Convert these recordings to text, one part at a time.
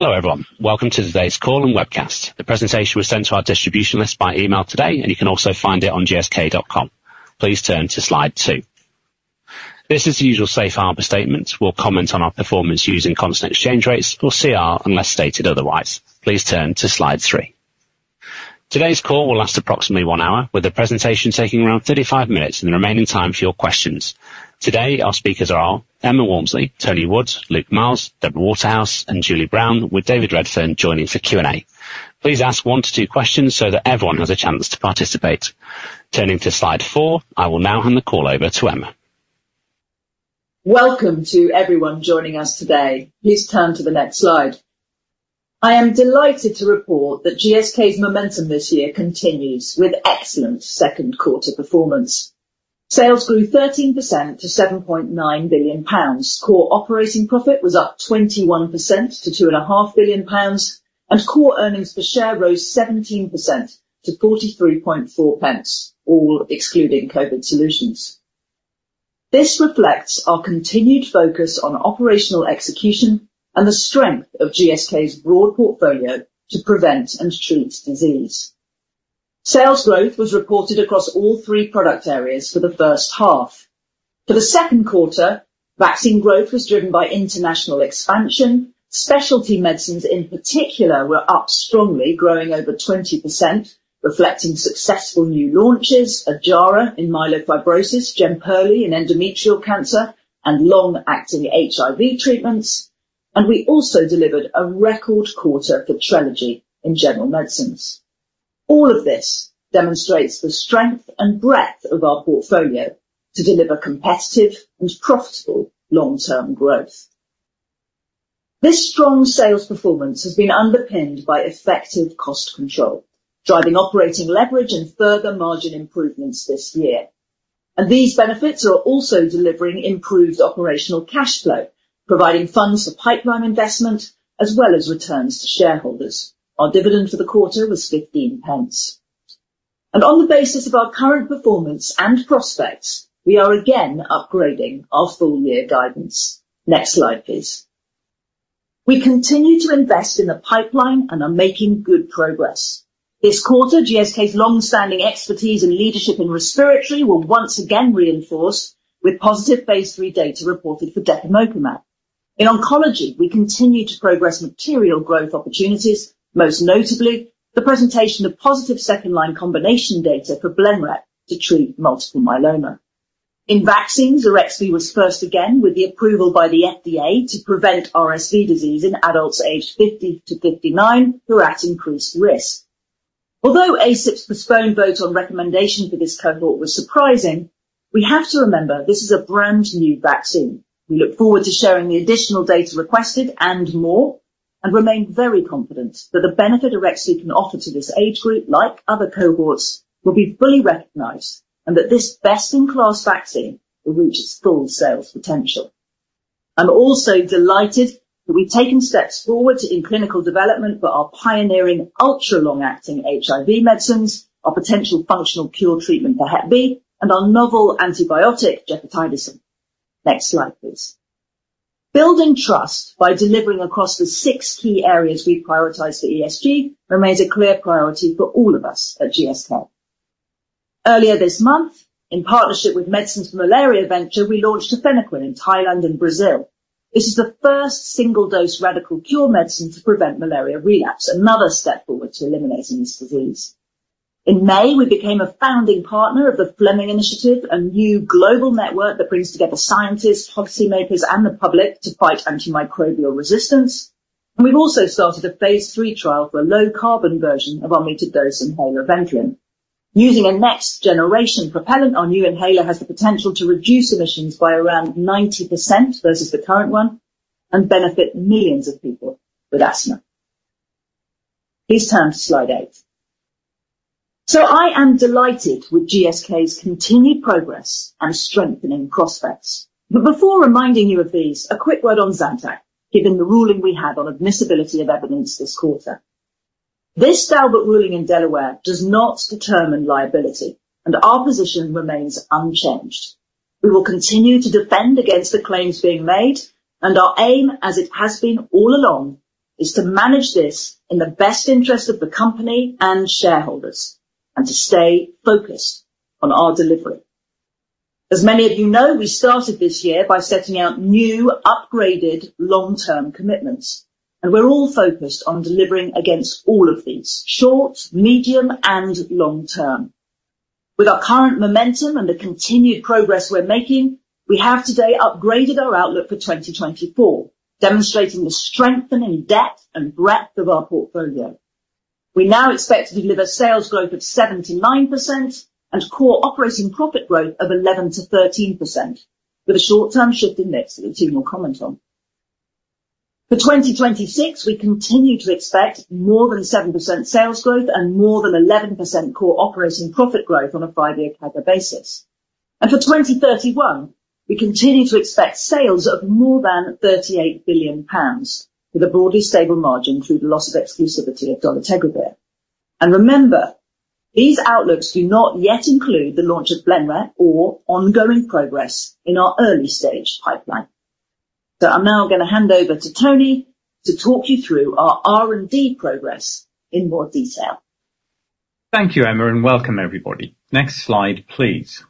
Hello everyone, welcome to today's call and webcast. The presentation was sent to our distribution list by email today, and you can also find it on gsk.com. Please turn to slide two. This is the usual safe harbor statement. We'll comment on our performance using constant exchange rates or CR unless stated otherwise. Please turn to slide three. Today's call will last approximately one hour, with the presentation taking around 35 minutes and the remaining time for your questions. Today, our speakers are Emma Walmsley, Tony Wood, Luke Miels, Deborah Waterhouse, and Julie Brown, with David Redfern joining for Q&A. Please ask one to two questions so that everyone has a chance to participate. Turning to slide four, I will now hand the call over to Emma. Welcome to everyone joining us today. Please turn to the next slide. I am delighted to report that GSK's momentum this year continues with excellent second quarter performance. Sales grew 13% to 7.9 billion pounds. Core operating profit was up 21% to 2.5 billion pounds, and core earnings per share rose 17% to 43.4 pence, all excluding COVID solutions. This reflects our continued focus on operational execution and the strength of GSK's broad portfolio to prevent and treat disease. Sales growth was reported across all three product areas for the first half. For the second quarter, vaccine growth was driven by international expansion. Specialty medicines, in particular, were up strongly, growing over 20%, reflecting successful new launches, Ojjaara in myelofibrosis, Jemperli in endometrial cancer, and long-acting HIV treatments. We also delivered a record quarter for Trelegy in general medicines. All of this demonstrates the strength and breadth of our portfolio to deliver competitive and profitable long-term growth. This strong sales performance has been underpinned by effective cost control, driving operating leverage and further margin improvements this year. These benefits are also delivering improved operational cash flow, providing funds for pipeline investment as well as returns to shareholders. Our dividend for the quarter was 0.15. On the basis of our current performance and prospects, we are again upgrading our full year guidance. Next slide, please. We continue to invest in the pipeline and are making good progress. This quarter, GSK's long-standing expertise and leadership in respiratory were once again reinforced with positive phase III data reported for Depemokimab. In oncology, we continue to progress material growth opportunities, most notably the presentation of positive second-line combination data for Blenrep to treat multiple myeloma. In vaccines, Arexvy was first again with the approval by the FDA to prevent RSV disease in adults aged 50-59, who are at increased risk. Although ACIP's postponed vote on recommendation for this cohort was surprising, we have to remember this is a brand new vaccine. We look forward to sharing the additional data requested and more, and remain very confident that the benefit Arexvy can offer to this age group, like other cohorts, will be fully recognized and that this best in class vaccine will reach its full sales potential. I'm also delighted that we've taken steps forward in clinical development for our pioneering ultra long-acting HIV medicines, our potential functional cure treatment for Hep B, and our novel antibiotic, Gepotidacin. Next slide, please. Building trust by delivering across the six key areas we prioritize for ESG remains a clear priority for all of us at GSK. Earlier this month, in partnership with Medicines for Malaria Venture, we launched tafenoquine in Thailand and Brazil. This is the first single dose radical cure medicine to prevent malaria relapse, another step forward to eliminating this disease. In May, we became a founding partner of the Fleming Initiative, a new global network that brings together scientists, policymakers, and the public to fight antimicrobial resistance. We've also started a phase III trial for a low carbon version of our metered dose inhaler, Ventolin. Using a next generation propellant, our new inhaler has the potential to reduce emissions by around 90% versus the current one and benefit millions of people with asthma. Please turn to slide eight. So I am delighted with GSK's continued progress and strengthening prospects. But before reminding you of these, a quick word on Zantac, given the ruling we had on admissibility of evidence this quarter. This Daubert ruling in Delaware does not determine liability, and our position remains unchanged. We will continue to defend against the claims being made, and our aim, as it has been all along, is to manage this in the best interest of the company and shareholders and to stay focused on our delivery. As many of you know, we started this year by setting out new upgraded long-term commitments, and we're all focused on delivering against all of these: short, medium, and long term. With our current momentum and the continued progress we're making, we have today upgraded our outlook for 2024, demonstrating the strengthening depth and breadth of our portfolio. We now expect to deliver sales growth of 7%-9% and core operating profit growth of 11%-13%, with a short-term shift index that you'll see more comment on. For 2026, we continue to expect more than 7% sales growth and more than 11% core operating profit growth on a five-year CAGR basis. For 2031, we continue to expect sales of more than 38 billion pounds, with a broadly stable margin through the loss of exclusivity of Dolutegravir. Remember, these outlooks do not yet include the launch of Blenrep or ongoing progress in our early stage pipeline. I'm now going to hand over to Tony to talk you through our R&D progress in more detail. Thank you, Emma, and welcome everybody. Next slide, please.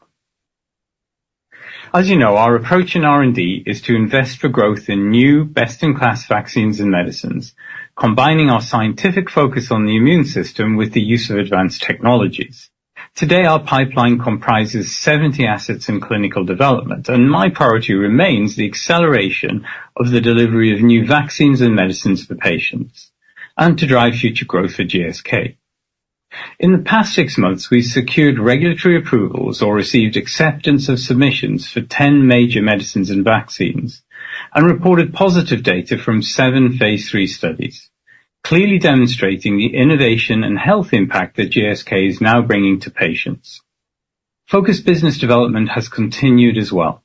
As you know, our approach in R&D is to invest for growth in new best in class vaccines and medicines, combining our scientific focus on the immune system with the use of advanced technologies. Today, our pipeline comprises 70 assets in clinical development, and my priority remains the acceleration of the delivery of new vaccines and medicines for patients and to drive future growth for GSK. In the past six months, we've secured regulatory approvals or received acceptance of submissions for 10 major medicines and vaccines and reported positive data from seven phase III studies, clearly demonstrating the innovation and health impact that GSK is now bringing to patients. Focused business development has continued as well.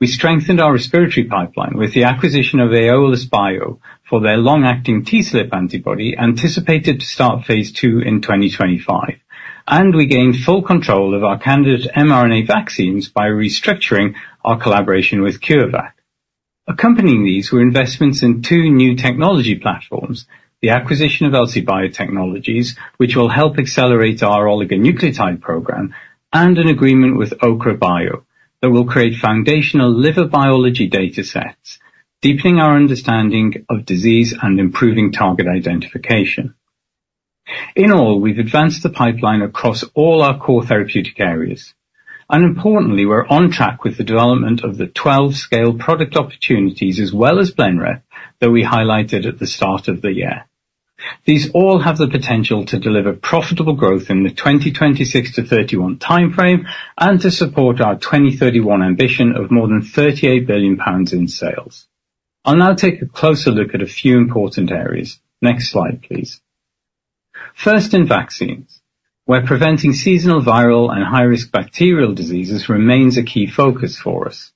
We strengthened our respiratory pipeline with the acquisition of Aiolos Bio for their long-acting TSLP antibody, anticipated to start phase II in 2025. We gained full control of our candidate mRNA vaccines by restructuring our collaboration with CureVac. Accompanying these were investments in two new technology platforms: the acquisition of Elsie Biotechnologies, which will help accelerate our oligonucleotide program, and an agreement with Ochre Bio that will create foundational liver biology data sets, deepening our understanding of disease and improving target identification. In all, we've advanced the pipeline across all our core therapeutic areas. Importantly, we're on track with the development of the 12 scale product opportunities as well as Blenrep that we highlighted at the start of the year. These all have the potential to deliver profitable growth in the 2026 to 2031 timeframe and to support our 2031 ambition of more than £38 billion in sales. I'll now take a closer look at a few important areas. Next slide, please. First, in vaccines, where preventing seasonal viral and high-risk bacterial diseases remains a key focus for us.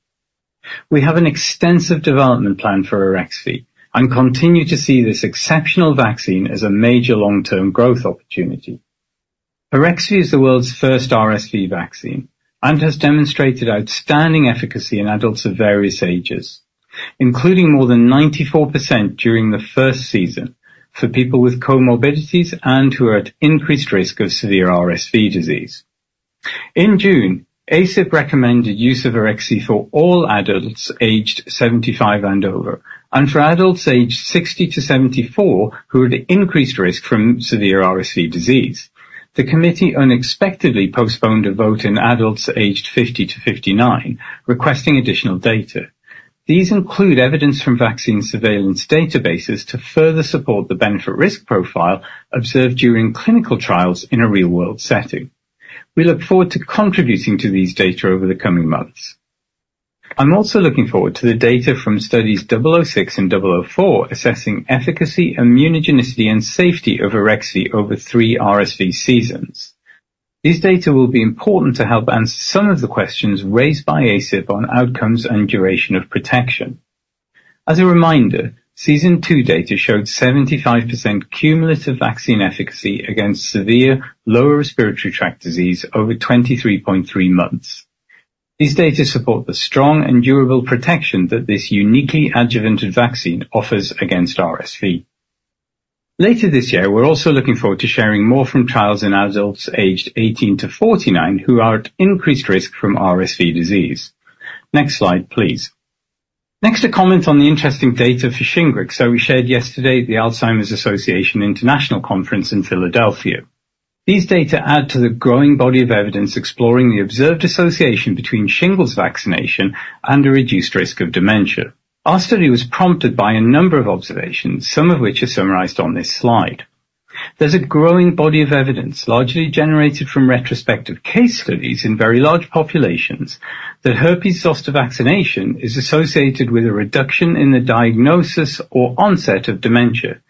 We have an extensive development plan for Arexvy and continue to see this exceptional vaccine as a major long-term growth opportunity. Arexvy is the world's first RSV vaccine and has demonstrated outstanding efficacy in adults of various ages, including more than 94% during the first season for people with comorbidities and who are at increased risk of severe RSV disease. In June, ACIP recommended use of Arexvy for all adults aged 75 and over and for adults aged 60-74 who are at increased risk from severe RSV disease. The committee unexpectedly postponed a vote in adults aged 50-59, requesting additional data. These include evidence from vaccine surveillance databases to further support the benefit-risk profile observed during clinical trials in a real-world setting. We look forward to contributing to these data over the coming months. I'm also looking forward to the data from studies 006 and 004 assessing efficacy, immunogenicity, and safety of Arexvy over three RSV seasons. These data will be important to help answer some of the questions raised by ACIP on outcomes and duration of protection. As a reminder, season two data showed 75% cumulative vaccine efficacy against severe lower respiratory tract disease over 23.3 months. These data support the strong and durable protection that this uniquely adjuvanted vaccine offers against RSV. Later this year, we're also looking forward to sharing more from trials in adults aged 18-49 who are at increased risk from RSV disease. Next slide, please. Next, a comment on the interesting data for Shingrix that we shared yesterday at the Alzheimer's Association International Conference in Philadelphia. These data add to the growing body of evidence exploring the observed association between shingles vaccination and a reduced risk of dementia. Our study was prompted by a number of observations, some of which are summarized on this slide. There's a growing body of evidence, largely generated from retrospective case studies in very large populations, that herpes zoster vaccination is associated with a reduction in the diagnosis or onset of dementia.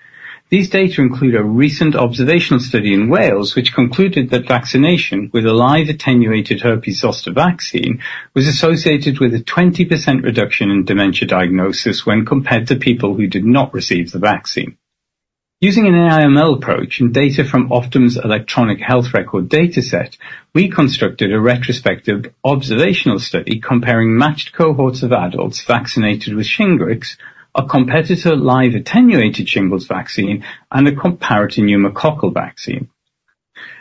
These data include a recent observational study in Wales, which concluded that vaccination with a live attenuated herpes zoster vaccine was associated with a 20% reduction in dementia diagnosis when compared to people who did not receive the vaccine. Using an AIML approach and data from Optum's electronic health record dataset, we constructed a retrospective observational study comparing matched cohorts of adults vaccinated with Shingrix, a competitor live attenuated shingles vaccine, and a comparator pneumococcal vaccine.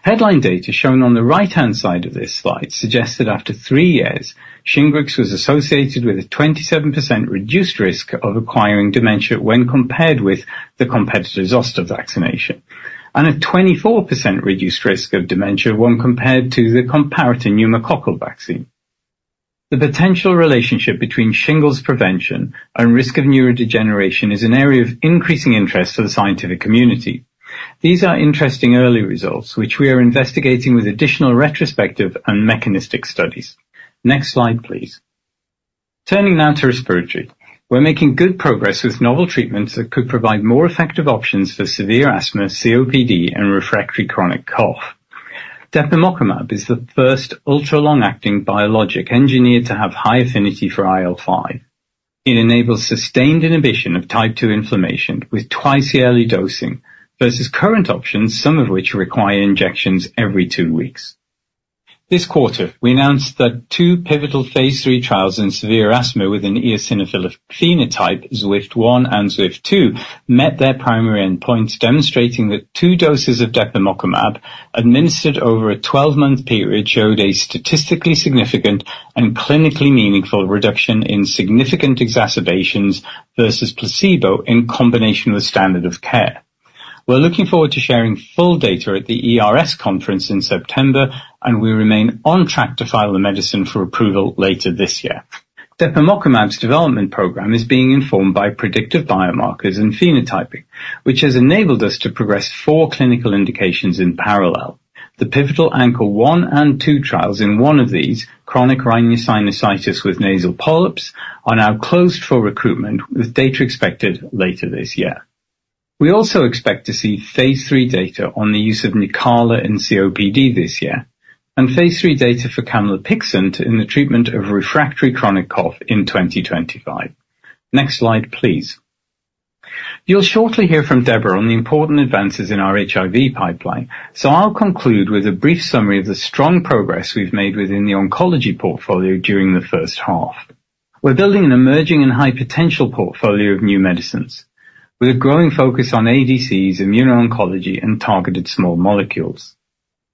Headline data shown on the right-hand side of this slide suggest that after 3 years, Shingrix was associated with a 27% reduced risk of acquiring dementia when compared with the competitor zoster vaccination and a 24% reduced risk of dementia when compared to the comparator pneumococcal vaccine. The potential relationship between shingles prevention and risk of neurodegeneration is an area of increasing interest for the scientific community. These are interesting early results, which we are investigating with additional retrospective and mechanistic studies. Next slide, please. Turning now to respiratory, we're making good progress with novel treatments that could provide more effective options for severe asthma, COPD, and refractory chronic cough. Depemokimab is the first ultra long-acting biologic engineered to have high affinity for IL-5. It enables sustained inhibition of type 2 inflammation with twice yearly dosing versus current options, some of which require injections every two weeks. This quarter, we announced that two pivotal phase III trials in severe asthma with an eosinophilic phenotype, SWIFT-1 and SWIFT-2, met their primary endpoints, demonstrating that two doses of Depemokimab administered over a 12-month period showed a statistically significant and clinically meaningful reduction in significant exacerbations versus placebo in combination with standard of care. We're looking forward to sharing full data at the ERS conference in September, and we remain on track to file the medicine for approval later this year. Depemokimab's development program is being informed by predictive biomarkers and phenotyping, which has enabled us to progress 4 clinical indications in parallel. The pivotal ANCHOR-1 and ANCHOR-2 trials in one of these, chronic rhinosinusitis with nasal polyps, are now closed for recruitment with data expected later this year. We also expect to see phase III data on the use of Nucala in COPD this year and phase III data for camlipixant in the treatment of refractory chronic cough in 2025. Next slide, please. You'll shortly hear from Deborah on the important advances in our HIV pipeline, so I'll conclude with a brief summary of the strong progress we've made within the oncology portfolio during the first half. We're building an emerging and high potential portfolio of new medicines with a growing focus on ADCs, immuno-oncology, and targeted small molecules.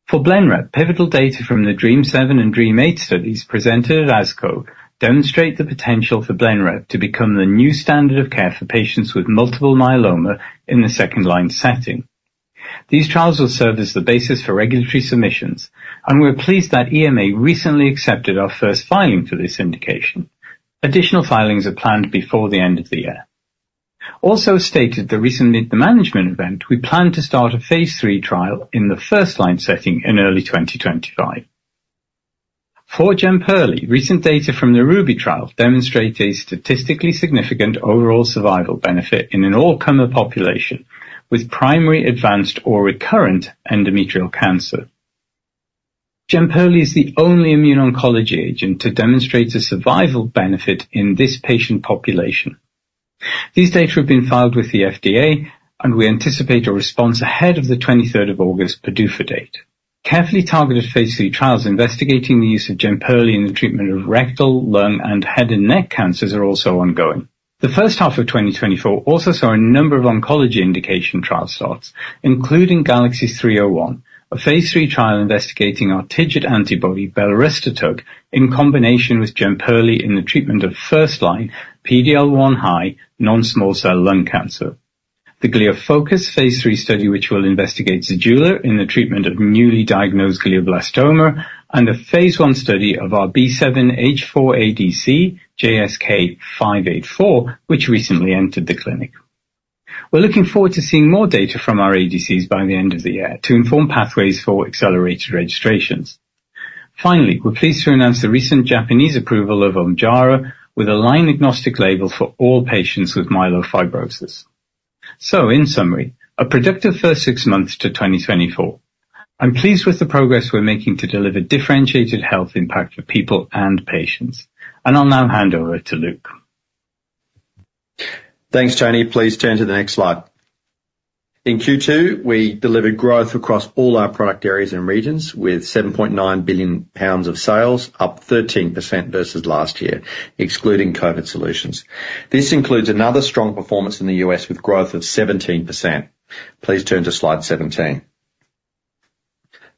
For Blenrep, pivotal data from the DREAM7 and DREAM8 studies presented at ASCO demonstrate the potential for Blenrep to become the new standard of care for patients with multiple myeloma in the second-line setting. These trials will serve as the basis for regulatory submissions, and we're pleased that EMA recently accepted our first filing for this indication. Additional filings are planned before the end of the year. Also stated at the recent mid-management event, we plan to start a phase III trial in the first-line setting in early 2025. For Jemperli, recent data from the RUBY trial demonstrate a statistically significant overall survival benefit in an all-comer population with primary advanced or recurrent endometrial cancer. Jemperli is the only immuno-oncology agent to demonstrate a survival benefit in this patient population. These data have been filed with the FDA, and we anticipate a response ahead of the 23rd of August PDUFA date. Carefully targeted phase III trials investigating the use of Jemperli in the treatment of rectal, lung, and head and neck cancers are also ongoing. The first half of 2024 also saw a number of oncology indication trial starts, including GALAXIES Lung-301, a phase three trial investigating our TIGIT antibody belrestotug in combination with Jemperli in the treatment of first-line PD-L1 high non-small cell lung cancer. The GlioFocus phase three study, which will investigate Zejula in the treatment of newly diagnosed glioblastoma, and a phase one study of our B7-H4 ADC GSK584, which recently entered the clinic. We're looking forward to seeing more data from our ADCs by the end of the year to inform pathways for accelerated registrations. Finally, we're pleased to announce the recent Japanese approval of Ojjaara with a line-agnostic label for all patients with myelofibrosis. So, in summary, a productive first six months of 2024. I'm pleased with the progress we're making to deliver differentiated health impact for people and patients, and I'll now hand over to Luke. Thanks, Tony. Please turn to the next slide. In Q2, we delivered growth across all our product areas and regions with 7.9 billion pounds of sales, up 13% versus last year, excluding COVID solutions. This includes another strong performance in the US with growth of 17%. Please turn to slide 17.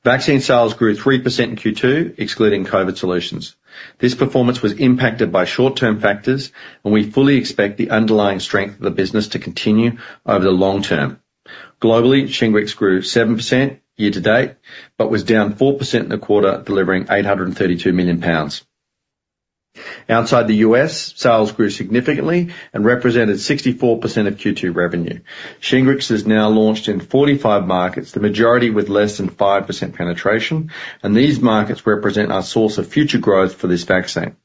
Vaccine sales grew 3% in Q2, excluding COVID solutions. This performance was impacted by short-term factors, and we fully expect the underlying strength of the business to continue over the long term. Globally, Shingrix grew 7% year to date but was down 4% in the quarter, delivering 832 million pounds. Outside the US, sales grew significantly and represented 64% of Q2 revenue. Shingrix is now launched in 45 markets, the majority with less than 5% penetration, and these markets represent our source of future growth for this vaccine.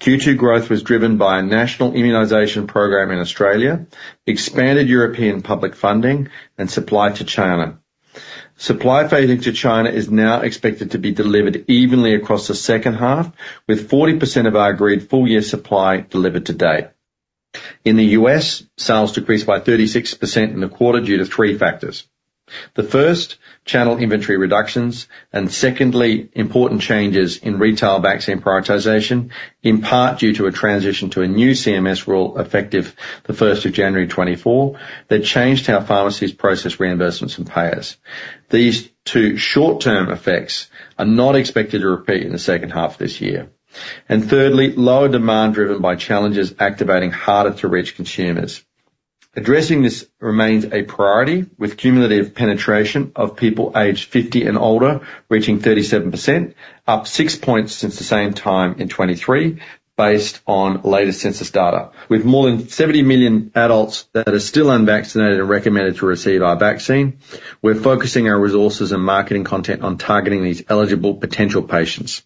Q2 growth was driven by a national immunization program in Australia, expanded European public funding, and supply to China. Supply fading to China is now expected to be delivered evenly across the second half, with 40% of our agreed full-year supply delivered to date. In the US, sales decreased by 36% in the quarter due to three factors. The first, channel inventory reductions, and secondly, important changes in retail vaccine prioritization, in part due to a transition to a new CMS rule effective the 1st of January 2024 that changed how pharmacies process reimbursements and payers. These two short-term effects are not expected to repeat in the second half of this year. Thirdly, lower demand driven by challenges activating harder-to-reach consumers. Addressing this remains a priority with cumulative penetration of people aged 50 and older reaching 37%, up six points since the same time in 2023 based on latest census data. With more than 70 million adults that are still unvaccinated and recommended to receive our vaccine, we're focusing our resources and marketing content on targeting these eligible potential patients.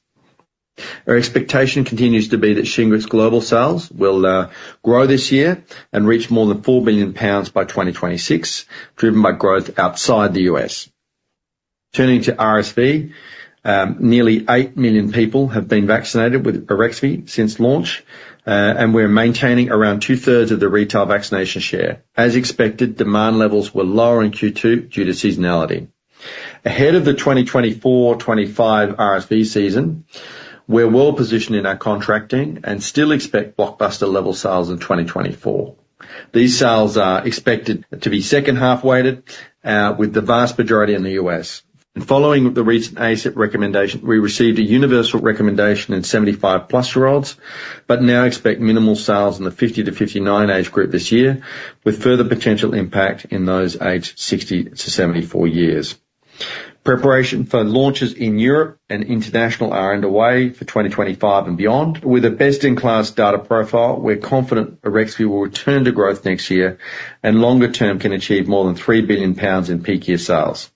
Our expectation continues to be that Shingrix global sales will grow this year and reach more than 4 billion pounds by 2026, driven by growth outside the US. Turning to RSV, nearly eight million people have been vaccinated with Arexvy since launch, and we're maintaining around two-thirds of the retail vaccination share. As expected, demand levels were lower in Q2 due to seasonality. Ahead of the 2024-25 RSV season, we're well positioned in our contracting and still expect blockbuster-level sales in 2024. These sales are expected to be second-half weighted with the vast majority in the US. Following the recent ACIP recommendation, we received a universal recommendation in 75+ year olds, but now expect minimal sales in the 50-59 age group this year, with further potential impact in those aged 60-74 years. Preparation for launches in Europe and international are underway for 2025 and beyond. With a best-in-class data profile, we're confident Arexvy will return to growth next year and longer term can achieve more than £3 billion in peak year sales.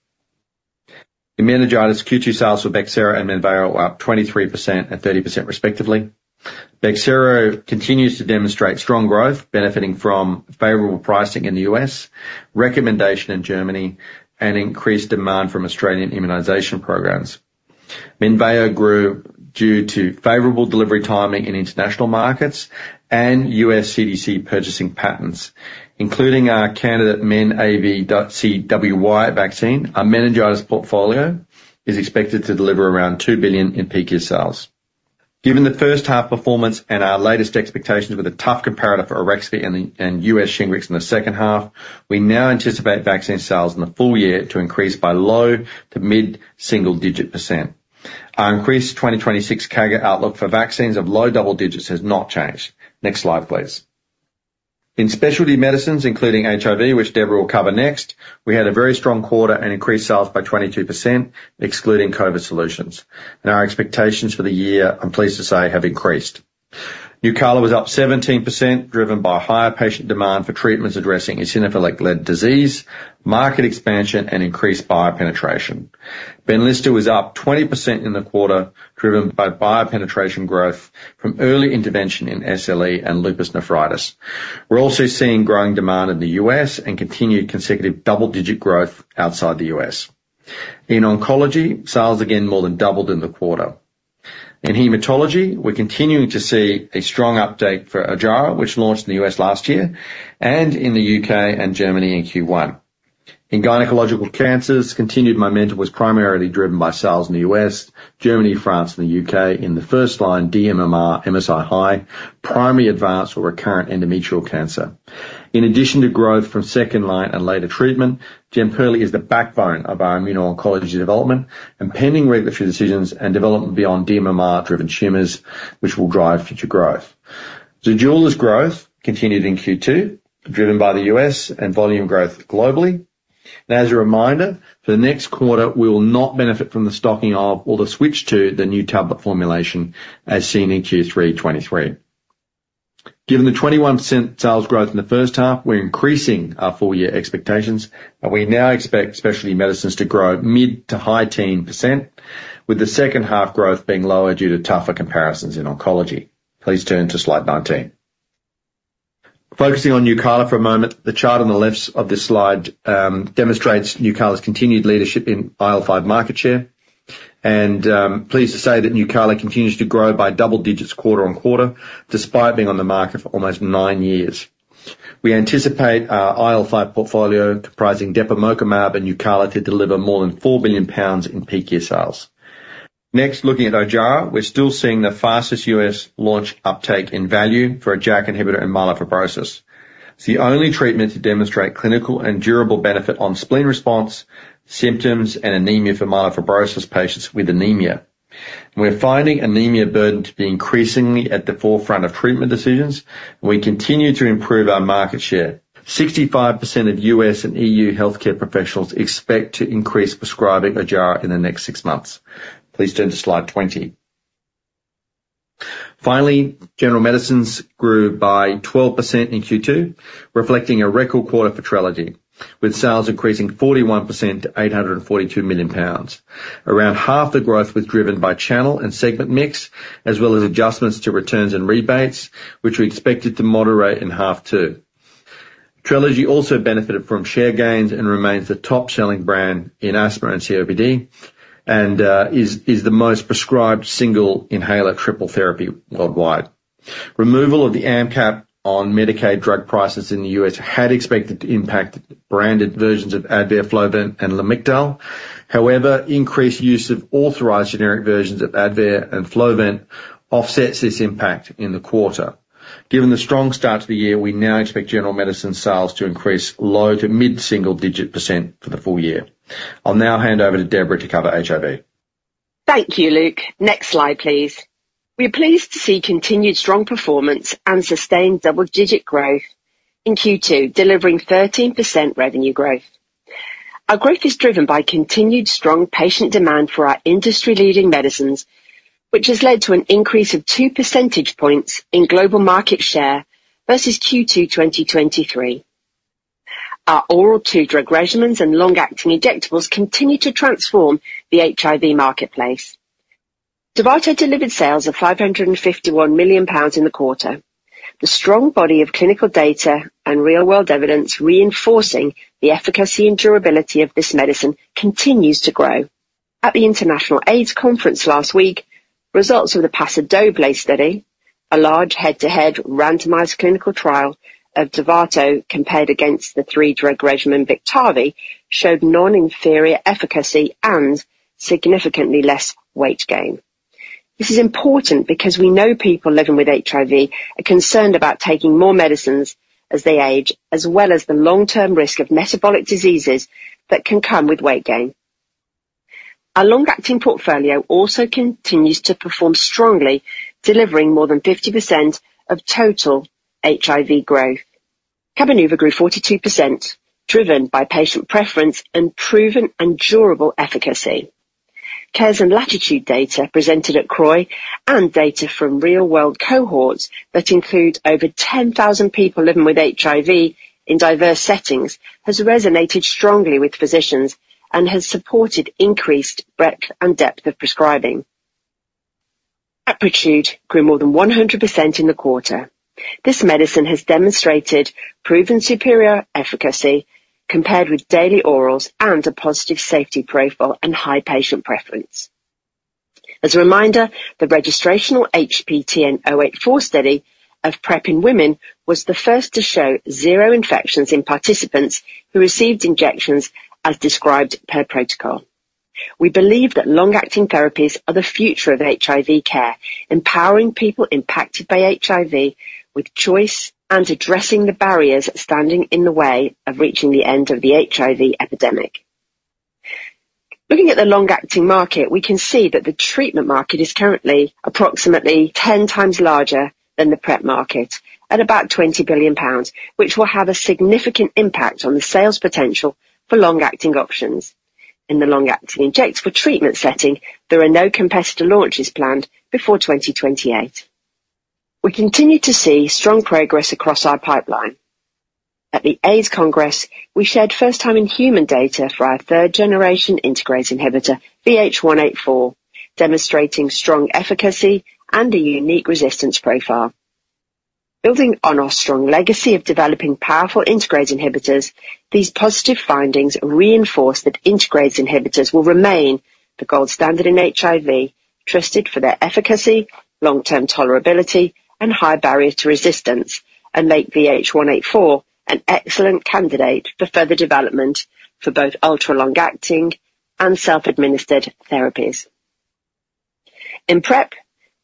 Immunology Q2 sales for Bexsero and Menveo were up 23% and 30% respectively. Bexsero continues to demonstrate strong growth, benefiting from favorable pricing in the US, recommendation in Germany, and increased demand from Australian immunization programs. Menveo grew due to favorable delivery timing in international markets and US CDC purchasing patterns. Including our candidate MenABCWY vaccine, our immunology portfolio is expected to deliver around £2 billion in peak year sales. Given the first-half performance and our latest expectations with a tough comparator for Arexvy and US Shingrix in the second half, we now anticipate vaccine sales in the full year to increase by low- to mid-single-digit %. Our increased 2026 CAGR outlook for vaccines of low double-digits has not changed. Next slide, please. In specialty medicines, including HIV, which Deborah will cover next, we had a very strong quarter and increased sales by 22%, excluding COVID solutions. Our expectations for the year, I'm pleased to say, have increased. Nucala was up 17%, driven by higher patient demand for treatments addressing eosinophilic-led disease, market expansion, and increased payor penetration. Benlysta was up 20% in the quarter, driven by payor penetration growth from early intervention in SLE and lupus nephritis. We're also seeing growing demand in the U.S. and continued consecutive double-digit growth outside the U.S. In oncology, sales again more than doubled in the quarter. In haematology, we're continuing to see a strong update for Ojjaara, which launched in the U.S. last year, and in the U.K. and Germany in Q1. In gynaecological cancers, continued momentum was primarily driven by sales in the U.S., Germany, France, and the U.K. in the first-line, dMMR, MSI-H, primary advanced or recurrent endometrial cancer. In addition to growth from second-line and later treatment, Jemperli is the backbone of our immuno-oncology development and pending regulatory decisions and development beyond dMMR-driven tumors, which will drive future growth. Zejula's growth continued in Q2, driven by the U.S. and volume growth globally. As a reminder, for the next quarter, we will not benefit from the stocking of or the switch to the new tablet formulation as seen in Q3 2023. Given the 21% sales growth in the first half, we're increasing our full-year expectations, and we now expect specialty medicines to grow mid to high 10%, with the second-half growth being lower due to tougher comparisons in oncology. Please turn to slide 19. Focusing on Nucala for a moment, the chart on the left of this slide demonstrates Nucala's continued leadership in IL-5 market share. I'm pleased to say that Nucala continues to grow by double digits quarter on quarter despite being on the market for almost nine years. We anticipate our IL-5 portfolio comprising Depemokimab and Nucala to deliver more than £4 billion in peak year sales. Next, looking at Ojjaara, we're still seeing the fastest US launch uptake in value for a JAK inhibitor in myelofibrosis. It's the only treatment to demonstrate clinical and durable benefit on spleen response, symptoms, and anaemia for myelofibrosis patients with anaemia. We're finding anaemia burden to be increasingly at the forefront of treatment decisions, and we continue to improve our market share. 65% of US and EU healthcare professionals expect to increase prescribing Ojjaara in the next six months. Please turn to slide 20. Finally, general medicines grew by 12% in Q2, reflecting a record quarter for Trelegy, with sales increasing 41% to £842 million. Around half the growth was driven by channel and segment mix, as well as adjustments to returns and rebates, which we expected to moderate in half two. Trelegy also benefited from share gains and remains the top-selling brand in asthma and COPD and is the most prescribed single inhaler triple therapy worldwide. Removal of the AMP Cap on Medicaid drug prices in the US had expected to impact branded versions of Advair, Flovent, and Lamictal. However, increased use of authorized generic versions of Advair and Flovent offsets this impact in the quarter. Given the strong start to the year, we now expect general medicine sales to increase low to mid single-digit % for the full year. I'll now hand over to Deborah to cover HIV. Thank you, Luke. Next slide, please. We're pleased to see continued strong performance and sustained double-digit growth in Q2, delivering 13% revenue growth. Our growth is driven by continued strong patient demand for our industry-leading medicines, which has led to an increase of 2 percentage points in global market share versus Q2 2023. Our oral two-drug regimens and long-acting injectables continue to transform the HIV marketplace. Dovato delivered sales of 551 million pounds in the quarter. The strong body of clinical data and real-world evidence reinforcing the efficacy and durability of this medicine continues to grow. At the International AIDS Conference last week, results of the PASO DOBLE study, a large head-to-head randomized clinical trial of Dovato compared against the three-drug regimen Tivicay, showed non-inferior efficacy and significantly less weight gain. This is important because we know people living with HIV are concerned about taking more medicines as they age, as well as the long-term risk of metabolic diseases that can come with weight gain. Our long-acting portfolio also continues to perform strongly, delivering more than 50% of total HIV growth. Cabenuva grew 42%, driven by patient preference and proven and durable efficacy. CARES and LATITUDE data presented at CROI and data from real-world cohorts that include over 10,000 people living with HIV in diverse settings has resonated strongly with physicians and has supported increased breadth and depth of prescribing. Apretude grew more than 100% in the quarter. This medicine has demonstrated proven superior efficacy compared with daily orals and a positive safety profile and high patient preference. As a reminder, the registrational HPTN 084 study of PrEP in women was the first to show zero infections in participants who received injections as described per protocol. We believe that long-acting therapies are the future of HIV care, empowering people impacted by HIV with choice and addressing the barriers standing in the way of reaching the end of the HIV epidemic. Looking at the long-acting market, we can see that the treatment market is currently approximately 10 times larger than the PrEP market at about £20 billion, which will have a significant impact on the sales potential for long-acting options. In the long-acting injectable treatment setting, there are no competitor launches planned before 2028. We continue to see strong progress across our pipeline. At the AIDS Congress, we shared first-time in human data for our third-generation integrase inhibitor, VH184, demonstrating strong efficacy and a unique resistance profile. Building on our strong legacy of developing powerful integrase inhibitors, these positive findings reinforce that integrase inhibitors will remain the gold standard in HIV, trusted for their efficacy, long-term tolerability, and high barrier to resistance, and make VH184 an excellent candidate for further development for both ultra-long-acting and self-administered therapies. In PrEP,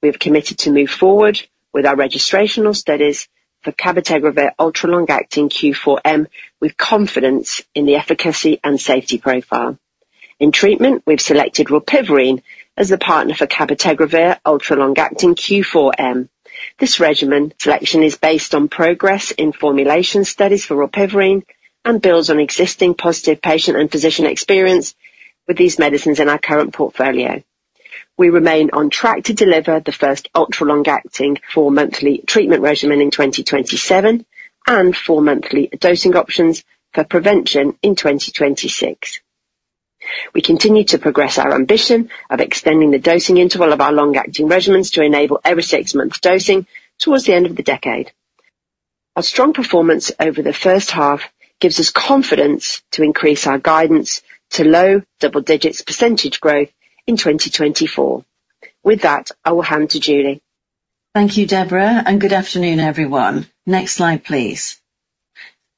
we have committed to move forward with our registrational studies for Cabotegravir ultra-long-acting Q4M with confidence in the efficacy and safety profile. In treatment, we've selected Rilpivirine as the partner for Cabotegravir ultra-long-acting Q4M. This regimen selection is based on progress in formulation studies for Rilpivirine and builds on existing positive patient and physician experience with these medicines in our current portfolio. We remain on track to deliver the first ultra-long-acting four-monthly treatment regimen in 2027 and four-monthly dosing options for prevention in 2026. We continue to progress our ambition of extending the dosing interval of our long-acting regimens to enable every six-month dosing towards the end of the decade. Our strong performance over the first half gives us confidence to increase our guidance to low double-digit percentage growth in 2024. With that, I will hand to Julie. Thank you, Deborah, and good afternoon, everyone. Next slide, please.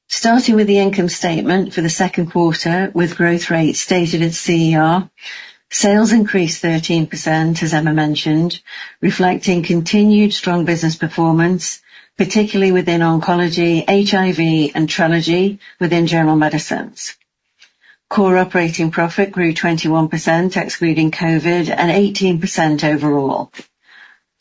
Starting with the income statement for the second quarter with growth rates stated at CER, sales increased 13%, as Emma mentioned, reflecting continued strong business performance, particularly within oncology, HIV, and Trelegy within general medicines. Core operating profit grew 21%, excluding COVID, and 18% overall.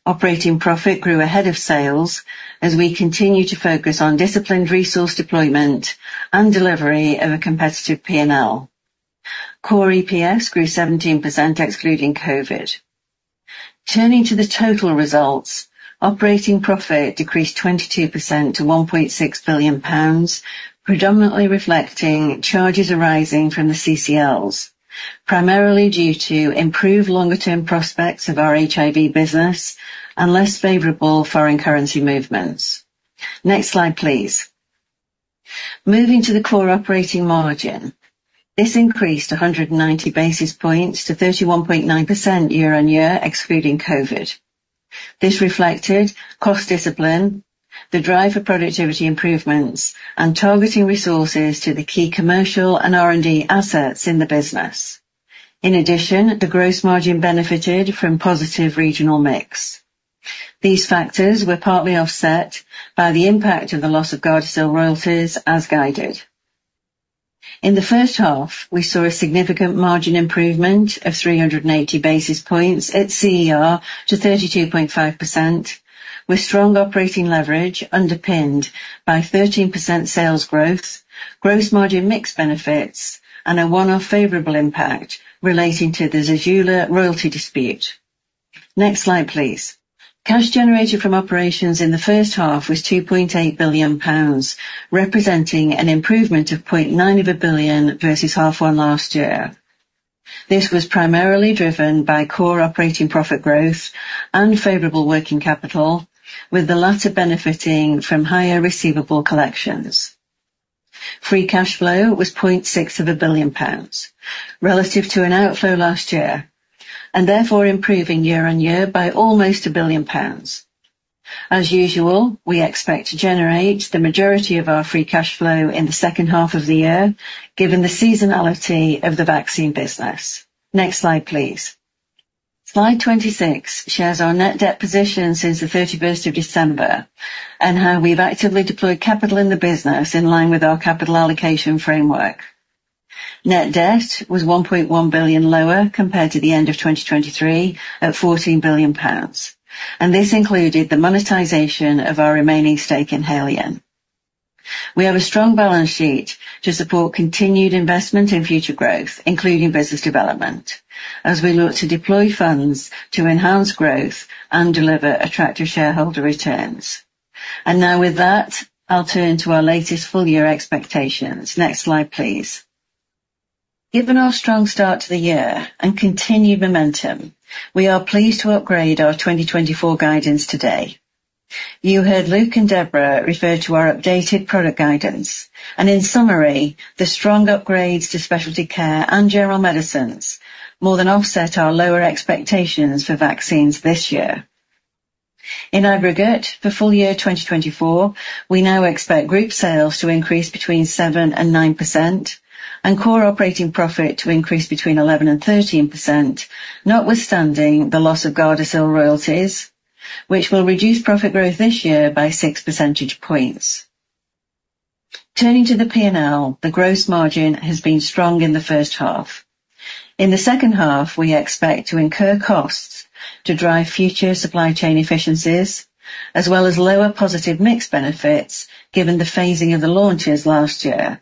Operating profit grew ahead of sales as we continue to focus on disciplined resource deployment and delivery of a competitive P&L. Core EPS grew 17%, excluding COVID. Turning to the total results, operating profit decreased 22% to £1.6 billion, predominantly reflecting charges arising from the CCLs, primarily due to improved longer-term prospects of our HIV business and less favorable foreign currency movements. Next slide, please. Moving to the core operating margin, this increased 190 basis points to 31.9% year-on-year, excluding COVID. This reflected cost discipline, the drive for productivity improvements, and targeting resources to the key commercial and R&D assets in the business. In addition, the gross margin benefited from positive regional mix. These factors were partly offset by the impact of the loss of Gardasil royalties, as guided. In the first half, we saw a significant margin improvement of 380 basis points at CER to 32.5%, with strong operating leverage underpinned by 13% sales growth, gross margin mix benefits, and a one-off favorable impact relating to the Zejula royalty dispute. Next slide, please. Cash generated from operations in the first half was £2.8 billion, representing an improvement of £0.9 billion versus half one last year. This was primarily driven by core operating profit growth and favorable working capital, with the latter benefiting from higher receivable collections. Free cash flow was £0.6 billion, relative to an outflow last year, and therefore improving year-on-year by almost £1 billion. As usual, we expect to generate the majority of our free cash flow in the second half of the year, given the seasonality of the vaccine business. Next slide, please. Slide 26 shares our net debt position since the 31st of December and how we've actively deployed capital in the business in line with our capital allocation framework. Net debt was £1.1 billion lower compared to the end of 2023 at £14 billion, and this included the monetization of our remaining stake in Haleon. We have a strong balance sheet to support continued investment in future growth, including business development, as we look to deploy funds to enhance growth and deliver attractive shareholder returns. And now, with that, I'll turn to our latest full-year expectations. Next slide, please. Given our strong start to the year and continued momentum, we are pleased to upgrade our 2024 guidance today. You heard Luke and Deborah refer to our updated product guidance, and in summary, the strong upgrades to specialty care and general medicines more than offset our lower expectations for vaccines this year. In aggregate, for full year 2024, we now expect group sales to increase between 7%-9%, and core operating profit to increase between 11%-13%, notwithstanding the loss of Gardasil royalties, which will reduce profit growth this year by 6 percentage points. Turning to the P&L, the gross margin has been strong in the first half. In the second half, we expect to incur costs to drive future supply chain efficiencies, as well as lower positive mix benefits given the phasing of the launches last year.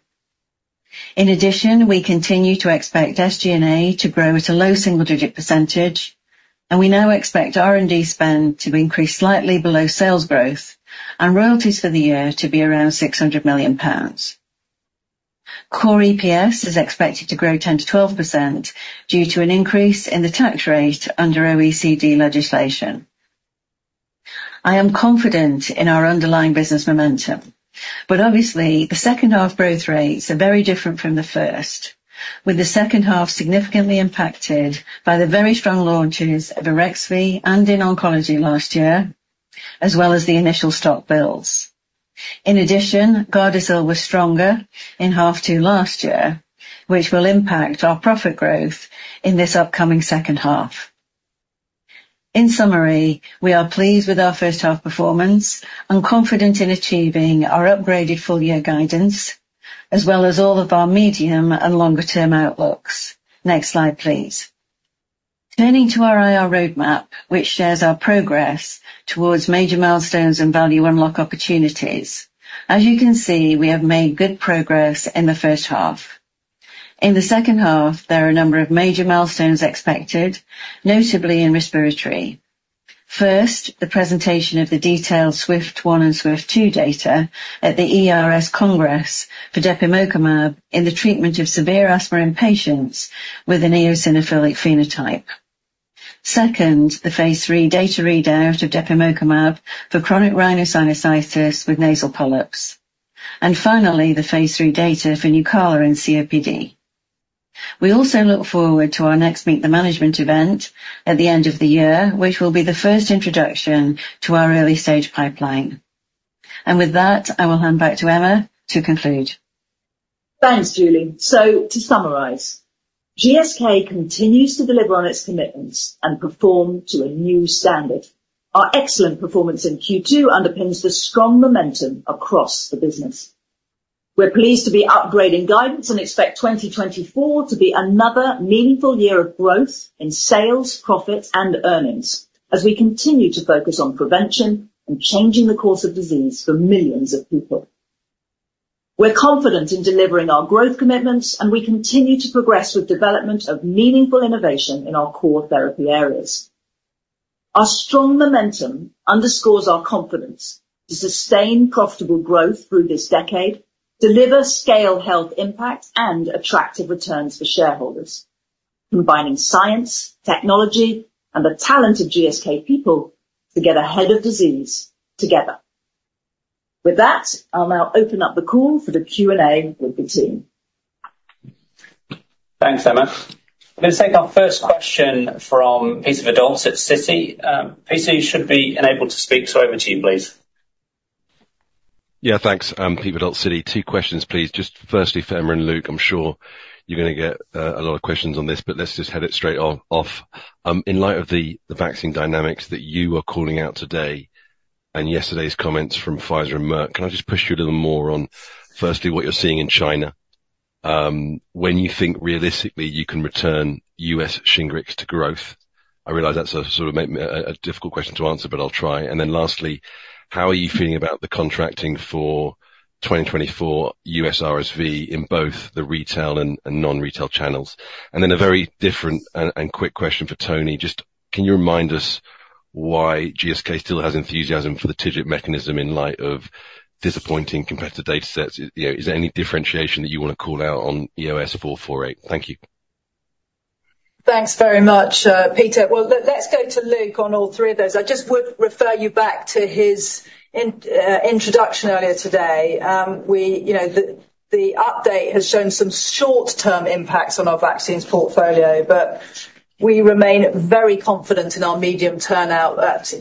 In addition, we continue to expect SG&A to grow at a low single-digit percentage, and we now expect R&D spend to increase slightly below sales growth and royalties for the year to be around £600 million. Core EPS is expected to grow 10%-12% due to an increase in the tax rate under OECD legislation. I am confident in our underlying business momentum, but obviously, the second half growth rates are very different from the first, with the second half significantly impacted by the very strong launches of Arexvy and in oncology last year, as well as the initial stock builds. In addition, Gardasil was stronger in half two last year, which will impact our profit growth in this upcoming second half. In summary, we are pleased with our first half performance and confident in achieving our upgraded full-year guidance, as well as all of our medium and longer-term outlooks. Next slide, please. Turning to our IR roadmap, which shares our progress towards major milestones and value unlock opportunities. As you can see, we have made good progress in the first half. In the second half, there are a number of major milestones expected, notably in respiratory. First, the presentation of the detailed SWIFT1 and SWIFT2 data at the ERS Congress for Depemokimab in the treatment of severe asthma patients with an eosinophilic phenotype. Second, the phase III data readout of Depemokimab for chronic rhinosinusitis with nasal polyps. And finally, the phase III data for Nucala and COPD. We also look forward to our next Meet the Management event at the end of the year, which will be the first introduction to our early-stage pipeline. With that, I will hand back to Emma to conclude. Thanks, Julie. To summarize, GSK continues to deliver on its commitments and perform to a new standard. Our excellent performance in Q2 underpins the strong momentum across the business. We're pleased to be upgrading guidance and expect 2024 to be another meaningful year of growth in sales, profit, and earnings, as we continue to focus on prevention and changing the course of disease for millions of people. We're confident in delivering our growth commitments, and we continue to progress with development of meaningful innovation in our core therapy areas. Our strong momentum underscores our confidence to sustain profitable growth through this decade, deliver scale health impacts, and attractive returns for shareholders, combining science, technology, and the talent of GSK people to get ahead of disease together. With that, I'll now open up the call for the Q&A with the team. Thanks, Emma. I'm going to take our first question from Peter Verdult at Citi. Peter, you should be unable to speak. So, over to you, please. Yeah, thanks, Peter Verdult, Citi. Two questions, please. Just firstly, for Emma and Luke, I'm sure you're going to get a lot of questions on this, but let's just head it straight off. In light of the vaccine dynamics that you are calling out today and yesterday's comments from Pfizer and Merck, can I just push you a little more on, firstly, what you're seeing in China? When you think realistically you can return US Shingrix to growth, I realize that's a sort of a difficult question to answer, but I'll try. And then lastly, how are you feeling about the contracting for 2024 US RSV in both the retail and non-retail channels? And then a very different and quick question for Tony. Just can you remind us why GSK still has enthusiasm for the TIGIT mechanism in light of disappointing competitor data sets? Is there any differentiation that you want to call out on EOS-448? Thank you. Thanks very much, Peter. Well, let's go to Luke on all three of those. I just would refer you back to his introduction earlier today. The update has shown some short-term impacts on our vaccines portfolio, but we remain very confident in our medium-term outlooks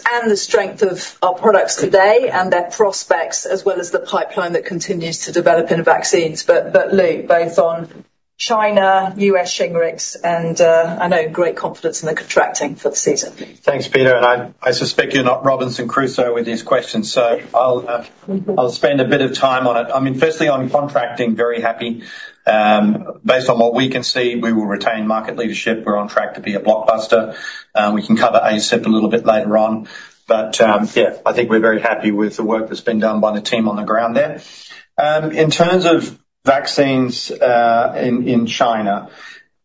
and the strength of our products today and their prospects, as well as the pipeline that continues to develop in vaccines. But Luke, both on China, U.S. Shingrix, and I know great confidence in the contracting for the season. Thanks, Peter. I suspect you're not Robinson Crusoe with these questions, so I'll spend a bit of time on it. I mean, firstly, on contracting, very happy. Based on what we can see, we will retain market leadership. We're on track to be a blockbuster. We can cover ACIP a little bit later on. But yeah, I think we're very happy with the work that's been done by the team on the ground there. In terms of vaccines in China,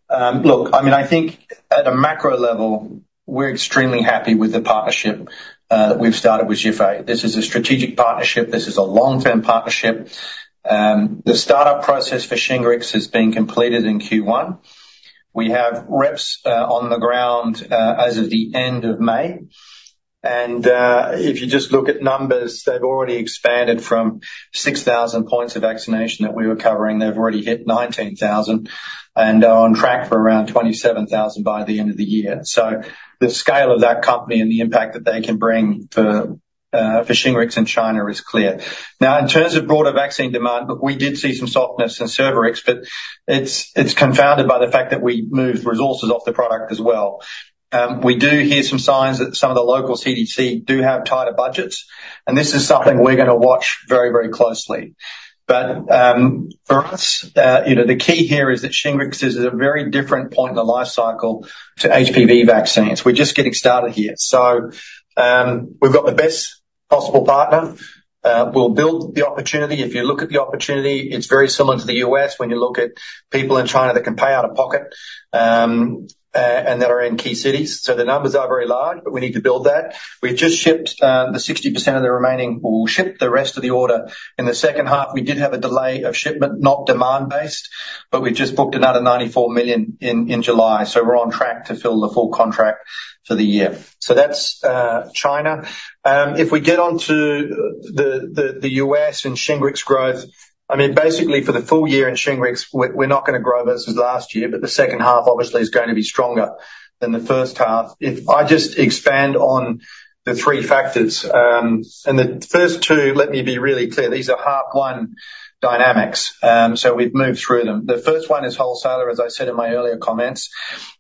look, I mean, I think at a macro level, we're extremely happy with the partnership that we've started with Zhifei. This is a strategic partnership. This is a long-term partnership. The startup process for Shingrix has been completed in Q1. We have reps on the ground as of the end of May. If you just look at numbers, they've already expanded from 6,000 points of vaccination that we were covering. They've already hit 19,000 and are on track for around 27,000 by the end of the year. So the scale of that company and the impact that they can bring for Shingrix in China is clear. Now, in terms of broader vaccine demand, we did see some softness in Cervarix, but it's confounded by the fact that we moved resources off the product as well. We do hear some signs that some of the local CDC do have tighter budgets, and this is something we're going to watch very, very closely. But for us, the key here is that Shingrix is at a very different point in the life cycle to HPV vaccines. We're just getting started here. So we've got the best possible partner. We'll build the opportunity. If you look at the opportunity, it's very similar to the U.S. when you look at people in China that can pay out of pocket and that are in key cities. The numbers are very large, but we need to build that. We've just shipped the 60% of the remaining or we'll ship the rest of the order. In the second half, we did have a delay of shipment, not demand-based, but we've just booked another $94 million in July. We're on track to fill the full contract for the year. That's China. If we get on to the U.S. and Shingrix growth, I mean, basically, for the full year in Shingrix, we're not going to grow versus last year, but the second half, obviously, is going to be stronger than the first half. If I just expand on the three factors, and the first two, let me be really clear, these are H1 dynamics, so we've moved through them. The first one is wholesaler, as I said in my earlier comments.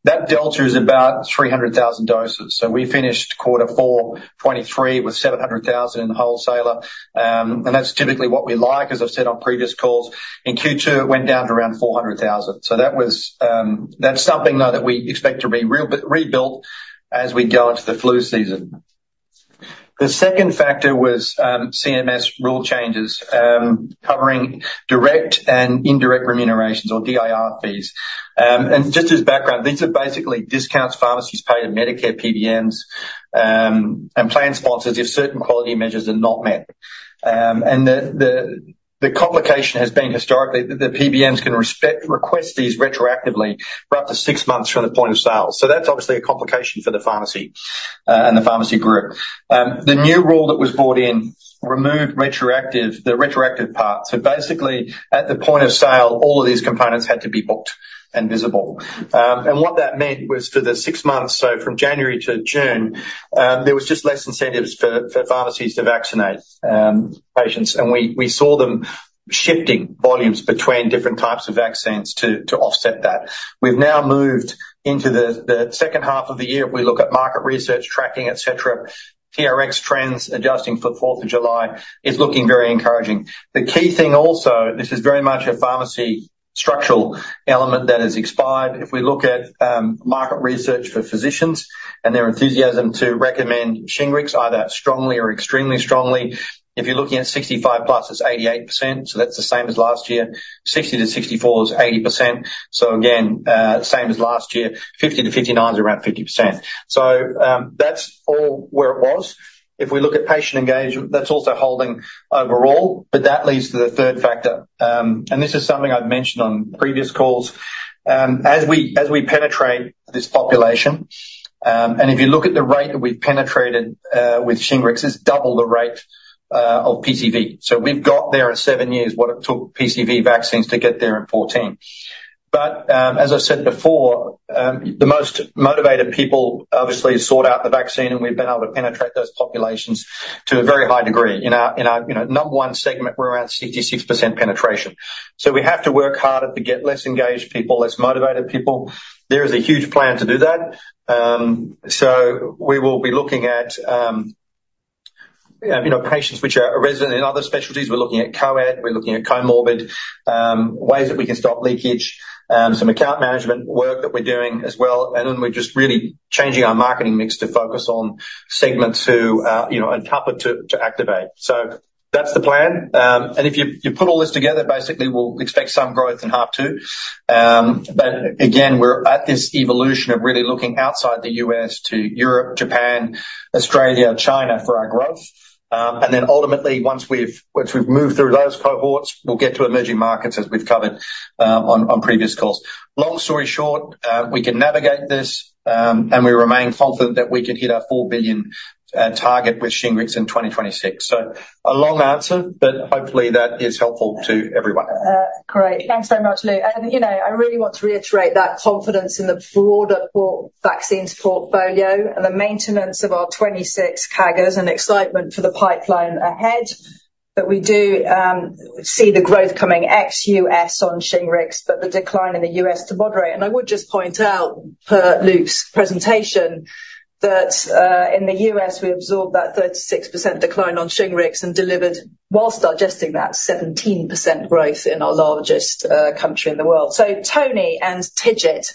That delta is about 300,000 doses. So we finished quarter four, 2023, with 700,000 in wholesaler. That's typically what we like, as I've said on previous calls. In Q2, it went down to around 400,000. So that's something, though, that we expect to be rebuilt as we go into the flu season. The second factor was CMS rule changes covering direct and indirect remunerations or DIR fees. Just as background, these are basically discounts pharmacies pay to Medicare PBMs and plan sponsors if certain quality measures are not met. The complication has been historically that the PBMs can request these retroactively for up to six months from the point of sale. So that's obviously a complication for the pharmacy and the pharmacy group. The new rule that was brought in removed the retroactive part. So basically, at the point of sale, all of these components had to be booked and visible. What that meant was for the six months, so from January to June, there was just less incentives for pharmacies to vaccinate patients. We saw them shifting volumes between different types of vaccines to offset that. We've now moved into the second half of the year. If we look at market research, tracking, etc., TRX trends adjusting for the 4th of July is looking very encouraging. The key thing also, this is very much a pharmacy structural element that has expired. If we look at market research for physicians and their enthusiasm to recommend Shingrix, either strongly or extremely strongly, if you're looking at 65+, it's 88%. So that's the same as last year. 60-64 is 80%. So again, same as last year. 50-59 is around 50%. So that's all where it was. If we look at patient engagement, that's also holding overall, but that leads to the third factor. And this is something I've mentioned on previous calls. As we penetrate this population, and if you look at the rate that we've penetrated with Shingrix, it's double the rate of PCV. So we've got there in seven years what it took PCV vaccines to get there in 2014. But as I've said before, the most motivated people obviously sought out the vaccine, and we've been able to penetrate those populations to a very high degree. In our number one segment, we're around 66% penetration. So we have to work harder to get less engaged people, less motivated people. There is a huge plan to do that. So we will be looking at patients which are resident in other specialties. We're looking at CoAD. We're looking at CoMorbid, ways that we can stop leakage, some account management work that we're doing as well. And then we're just really changing our marketing mix to focus on segments who are tougher to activate. So that's the plan. And if you put all this together, basically, we'll expect some growth in half two. But again, we're at this evolution of really looking outside the U.S. to Europe, Japan, Australia, China for our growth. And then ultimately, once we've moved through those cohorts, we'll get to emerging markets as we've covered on previous calls. Long story short, we can navigate this, and we remain confident that we can hit our $4 billion target with Shingrix in 2026. So a long answer, but hopefully that is helpful to everyone. Great. Thanks very much, Luke. I really want to reiterate that confidence in the broader vaccines portfolio and the maintenance of our 26 CAGRs and excitement for the pipeline ahead. But we do see the growth coming ex-U.S. on Shingrix, but the decline in the U.S. to moderate. And I would just point out, per Luke's presentation, that in the U.S., we absorbed that 36% decline on Shingrix and delivered, while digesting that, 17% growth in our largest country in the world. So Tony and TIGIT.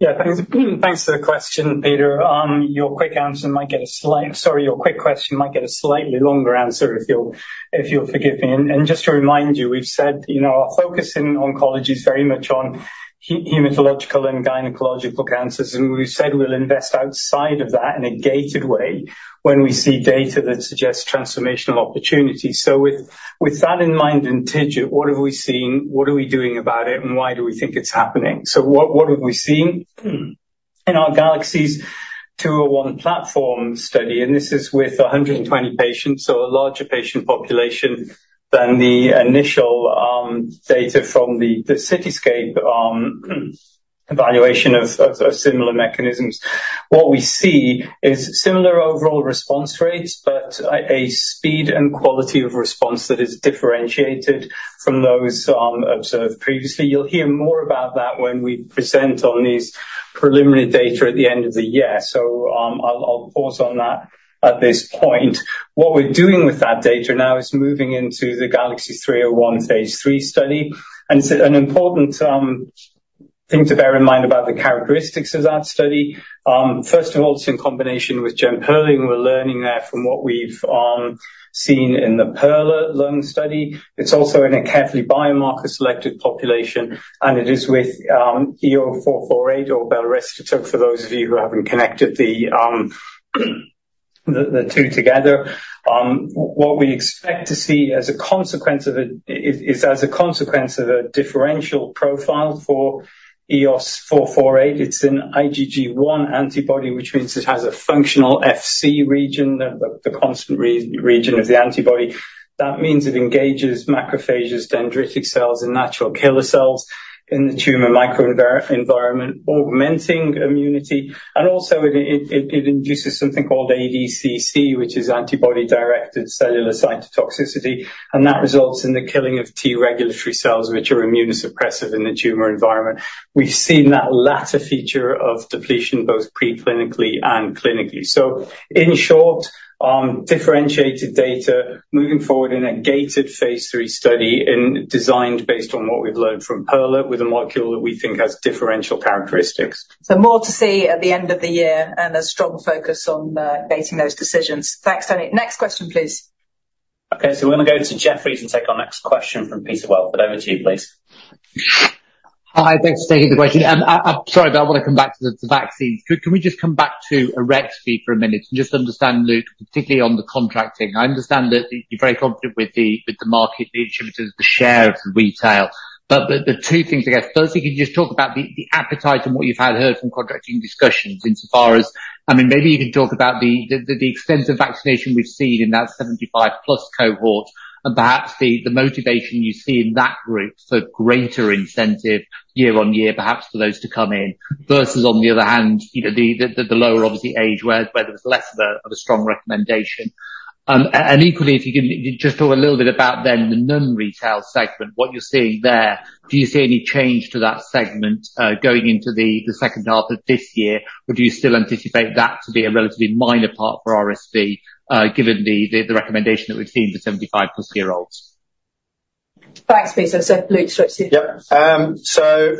Yeah, thanks for the question, Peter. Your quick question might get a slightly longer answer, if you'll forgive me. Just to remind you, we've said our focus in oncology is very much on haematological and gynaecological cancers. We've said we'll invest outside of that in a gated way when we see data that suggests transformational opportunity. With that in mind and TIGIT, what have we seen? What are we doing about it? And why do we think it's happening? What have we seen in our GALAXIES-201 platform study? This is with 120 patients, so a larger patient population than the initial data from the CITYSCAPE evaluation of similar mechanisms. What we see is similar overall response rates, but a speed and quality of response that is differentiated from those observed previously. You'll hear more about that when we present on these preliminary data at the end of the year. So I'll pause on that at this point. What we're doing with that data now is moving into the GALAXIES-301 phase III study. It's an important thing to bear in mind about the characteristics of that study. First of all, it's in combination with Jemperli. We're learning there from what we've seen in the PERLA lung study. It's also in a carefully biomarker-selected population. It is with EOS-448 or belrestotug, for those of you who haven't connected the two together. What we expect to see as a consequence of it is, as a consequence of a differential profile for EOS-448, it's an IgG1 antibody, which means it has a functional Fc region, the constant region of the antibody. That means it engages macrophages, dendritic cells, and natural killer cells in the tumor microenvironment, augmenting immunity. Also, it induces something called ADCC, which is antibody-dependent cellular cytotoxicity. That results in the killing of T regulatory cells, which are immunosuppressive in the tumor environment. We've seen that latter feature of depletion, both pre-clinically and clinically. So in short, differentiated data moving forward in a gated phase III study designed based on what we've learned from PERLA with a molecule that we think has differential characteristics. More to see at the end of the year and a strong focus on making those decisions. Thanks, Tony. Next question, please. Okay. So we're going to go to Jefferies and take our next question from Peter Welford. Over to you, please. Hi. Thanks for taking the question. Sorry, but I want to come back to the vaccines. Can we just come back to Arexvy for a minute and just understand, Luke, particularly on the contracting? I understand that you're very confident with the market, the inhibitors, the share of retail. But the two things I guess, firstly, can you just talk about the appetite and what you've heard from contracting discussions insofar as, I mean, maybe you can talk about the extent of vaccination we've seen in that 75+ cohort and perhaps the motivation you see in that group for greater incentive year on year, perhaps for those to come in, versus, on the other hand, the lower, obviously, age where there was less of a strong recommendation. And equally, if you can just talk a little bit about then the non-retail segment, what you're seeing there, do you see any change to that segment going into the second half of this year, or do you still anticipate that to be a relatively minor part for RSV given the recommendation that we've seen for 75+ year olds? Thanks, Peter. So Luke switched in. Yep. So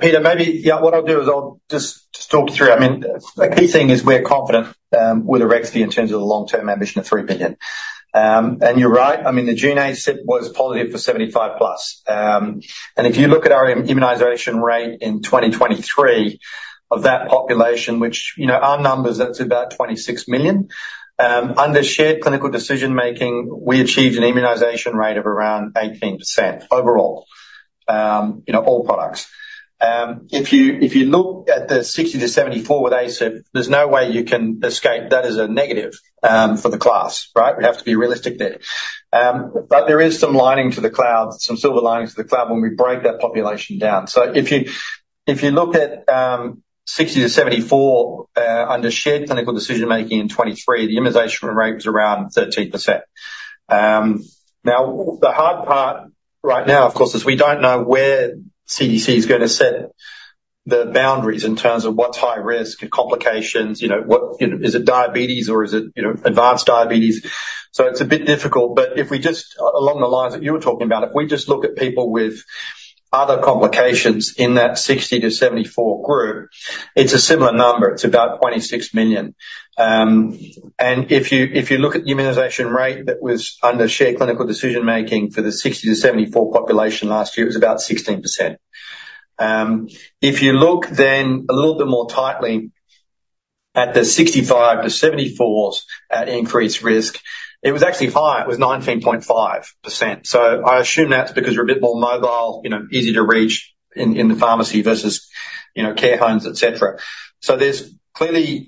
Peter, maybe what I'll do is I'll just talk you through. I mean, a key thing is we're confident with Arexvy in terms of the long-term ambition of $3 billion. And you're right. I mean, the June ACIP was positive for 75+. And if you look at our immunization rate in 2023 of that population, which our numbers, that's about 26 million. Under shared clinical decision-making, we achieved an immunization rate of around 18% overall, all products. If you look at the 60-74 with ACIP, there's no way you can escape that as a negative for the class, right? We have to be realistic there. But there is some lining to the cloud, some silver lining to the cloud when we break that population down. So if you look at 60-74 under shared clinical decision-making in 2023, the immunization rate was around 13%. Now, the hard part right now, of course, is we don't know where CDC is going to set the boundaries in terms of what's high risk, complications, is it diabetes, or is it advanced diabetes. So it's a bit difficult. But if we just, along the lines that you were talking about, if we just look at people with other complications in that 60-74 group, it's a similar number. It's about 26 million. And if you look at the immunization rate that was under shared clinical decision-making for the 60-74 population last year, it was about 16%. If you look then a little bit more tightly at the 65-74s at increased risk, it was actually higher. It was 19.5%. So I assume that's because we're a bit more mobile, easy to reach in the pharmacy versus care homes, etc. So clearly,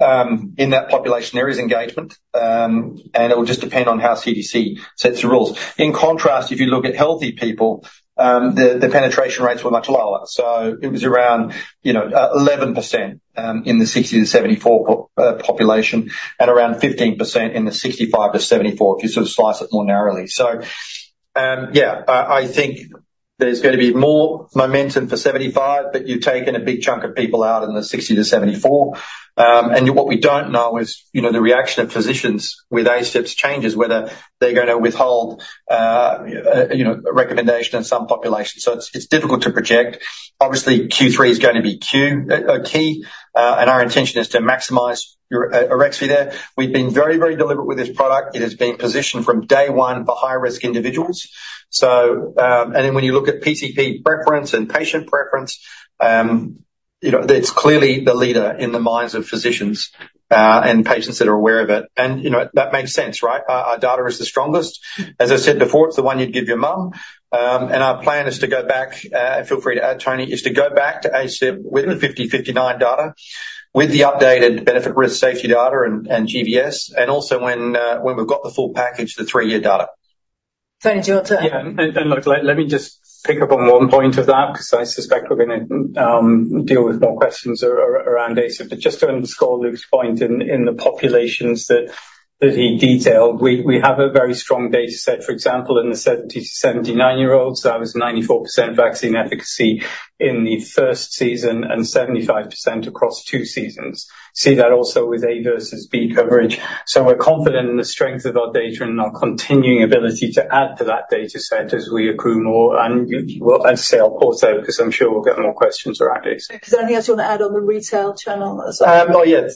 in that population, there is engagement, and it will just depend on how CDC sets the rules. In contrast, if you look at healthy people, the penetration rates were much lower. So it was around 11% in the 60-74 population and around 15% in the 65-74 if you sort of slice it more narrowly. So yeah, I think there's going to be more momentum for 75, but you've taken a big chunk of people out in the 60-74. And what we don't know is the reaction of physicians with ACIP's changes, whether they're going to withhold a recommendation in some populations. So it's difficult to project. Obviously, Q3 is going to be key, and our intention is to maximize your Arexvy there. We've been very, very deliberate with this product. It has been positioned from day one for high-risk individuals. Then when you look at PCP preference and patient preference, it's clearly the leader in the minds of physicians and patients that are aware of it. That makes sense, right? Our data is the strongest. As I said before, it's the one you'd give your mum. Our plan is to go back, feel free to add, Tony, is to go back to ACIP with the 50-59 data with the updated benefit risk safety data and GBS, and also when we've got the full package, the three-year data. Tony, do you want to? Yeah. And look, let me just pick up on one point of that because I suspect we're going to deal with more questions around ACIP. But just to underscore Luke's point in the populations that he detailed, we have a very strong data set, for example, in the 70-79-year-olds. That was 94% vaccine efficacy in the first season and 75% across two seasons. See that also with A versus B coverage. So we're confident in the strength of our data and our continuing ability to add to that data set as we accrue more. And I'll say I'll pause there because I'm sure we'll get more questions around ACIP. Is there anything else you want to add on the retail channel as well? Oh, yeah.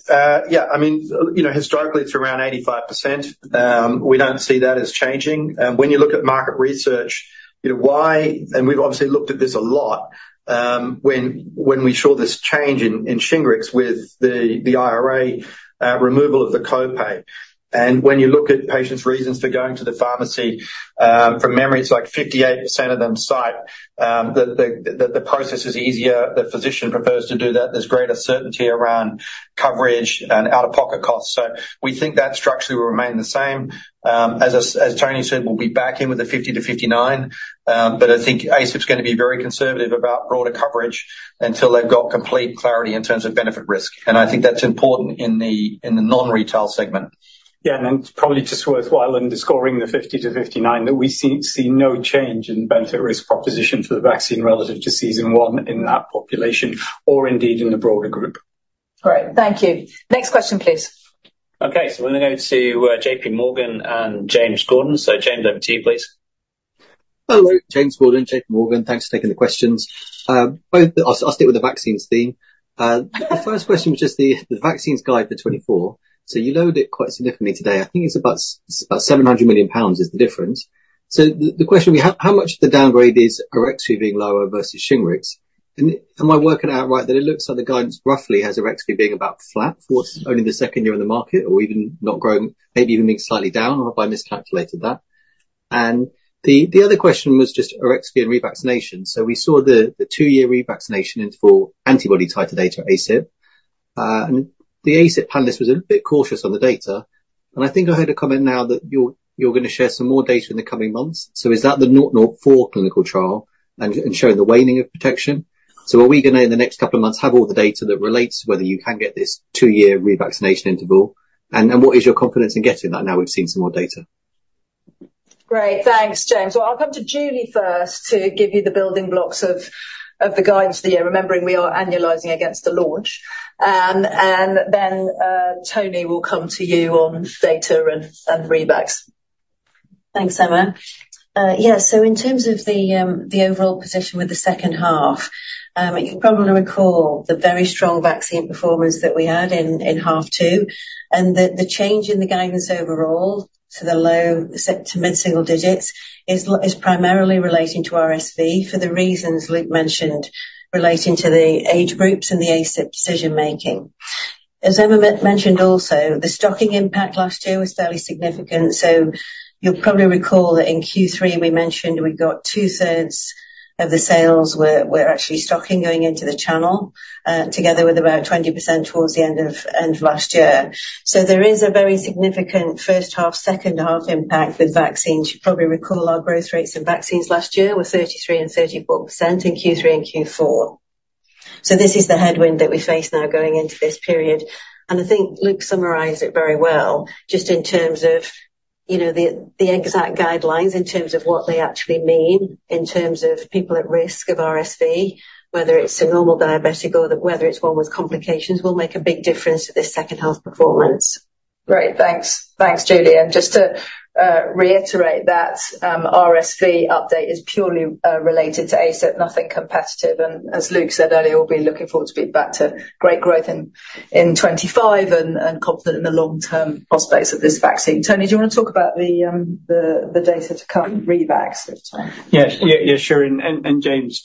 Yeah. I mean, historically, it's around 85%. We don't see that as changing. And when you look at market research, why—and we've obviously looked at this a lot when we saw this change in Shingrix with the IRA removal of the co-pay. And when you look at patients' reasons for going to the pharmacy, from memory, it's like 58% of them cite that the process is easier, the physician prefers to do that. There's greater certainty around coverage and out-of-pocket costs. So we think that structurally will remain the same. As Tony said, we'll be back in with the 50-59. But I think ACIP's going to be very conservative about broader coverage until they've got complete clarity in terms of benefit risk. And I think that's important in the non-retail segment. Yeah. It's probably just worthwhile underscoring the 50-59 that we see no change in benefit risk proposition for the vaccine relative to season one in that population or indeed in the broader group. All right. Thank you. Next question, please. Okay. We're going to go to JP Morgan and James Gordon. James, over to you, please. Hello. James Gordon, J.P. Morgan. Thanks for taking the questions. I'll stick with the vaccines theme. The first question was just the vaccines guide for 2024. So you loaded it quite significantly today. I think it's about £700 million is the difference. So the question we have, how much of the downgrade is Arexvy being lower versus Shingrix? And am I working out right that it looks like the guidance roughly has Arexvy being about flat for only the second year in the market or even not growing, maybe even being slightly down, or have I miscalculated that? And the other question was just Arexvy and revaccination. So we saw the two-year revaccination for antibody-titered data ACIP. And the ACIP panelist was a bit cautious on the data. I think I heard a comment now that you're going to share some more data in the coming months. Is that the 004 clinical trial and showing the waning of protection? Are we going to, in the next couple of months, have all the data that relates to whether you can get this two-year revaccination interval? What is your confidence in getting that now we've seen some more data? Great. Thanks, James. Well, I'll come to Julie first to give you the building blocks of the guidance for the year, remembering we are annualizing against the launch. And then Tony will come to you on data and R&D. Thanks, Emma. Yeah. So in terms of the overall position with the second half, you probably want to recall the very strong vaccine performance that we had in half two and the change in the guidance overall to the low to mid-single digits is primarily relating to RSV for the reasons Luke mentioned relating to the age groups and the ACIP decision-making. As Emma mentioned also, the stocking impact last year was fairly significant. So you'll probably recall that in Q3, we mentioned we got two-thirds of the sales were actually stocking going into the channel together with about 20% towards the end of last year. So there is a very significant first half, second half impact with vaccines. You probably recall our growth rates in vaccines last year were 33% and 34% in Q3 and Q4. So this is the headwind that we face now going into this period. I think Luke summarized it very well just in terms of the exact guidelines in terms of what they actually mean in terms of people at risk of RSV, whether it's a normal diabetic or whether it's one with complications, will make a big difference to this second half performance. Great. Thanks. Thanks, Julie. And just to reiterate that RSV update is purely related to ACIP, nothing competitive. And as Luke said earlier, we'll be looking forward to being back to great growth in 2025 and confident in the long-term prospects of this vaccine. Tony, do you want to talk about the data to come regarding this time? Yeah. Yeah. Sure. And James,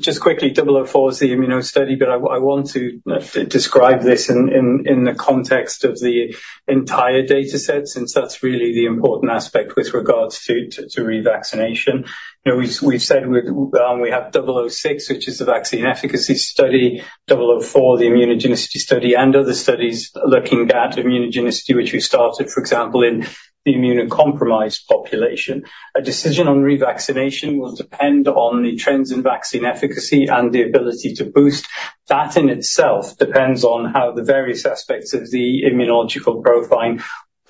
just quickly, 004 is the immuno study, but I want to describe this in the context of the entire data set since that's really the important aspect with regards to revaccination. We've said we have 006, which is the vaccine efficacy study, 004, the immunogenicity study, and other studies looking at immunogenicity, which we started, for example, in the immunocompromised population. A decision on revaccination will depend on the trends in vaccine efficacy and the ability to boost. That in itself depends on how the various aspects of the immunological profile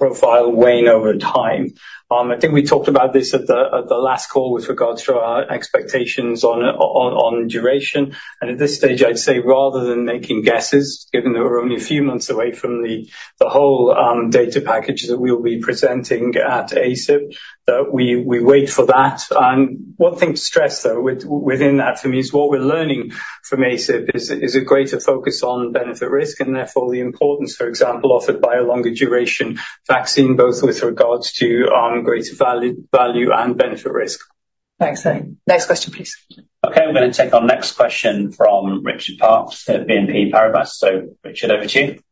wane over time. I think we talked about this at the last call with regards to our expectations on duration. And at this stage, I'd say rather than making guesses, given that we're only a few months away from the whole data package that we'll be presenting at ASIP, that we wait for that. One thing to stress, though, within that, to me, is what we're learning from ACIP is a greater focus on benefit risk and therefore the importance, for example, offered by a longer duration vaccine, both with regards to greater value and benefit risk. Thanks, Tony. Next question, please. Okay. We're going to take our next question from Richard Parkes at BNP Paribas. So Richard, over to you.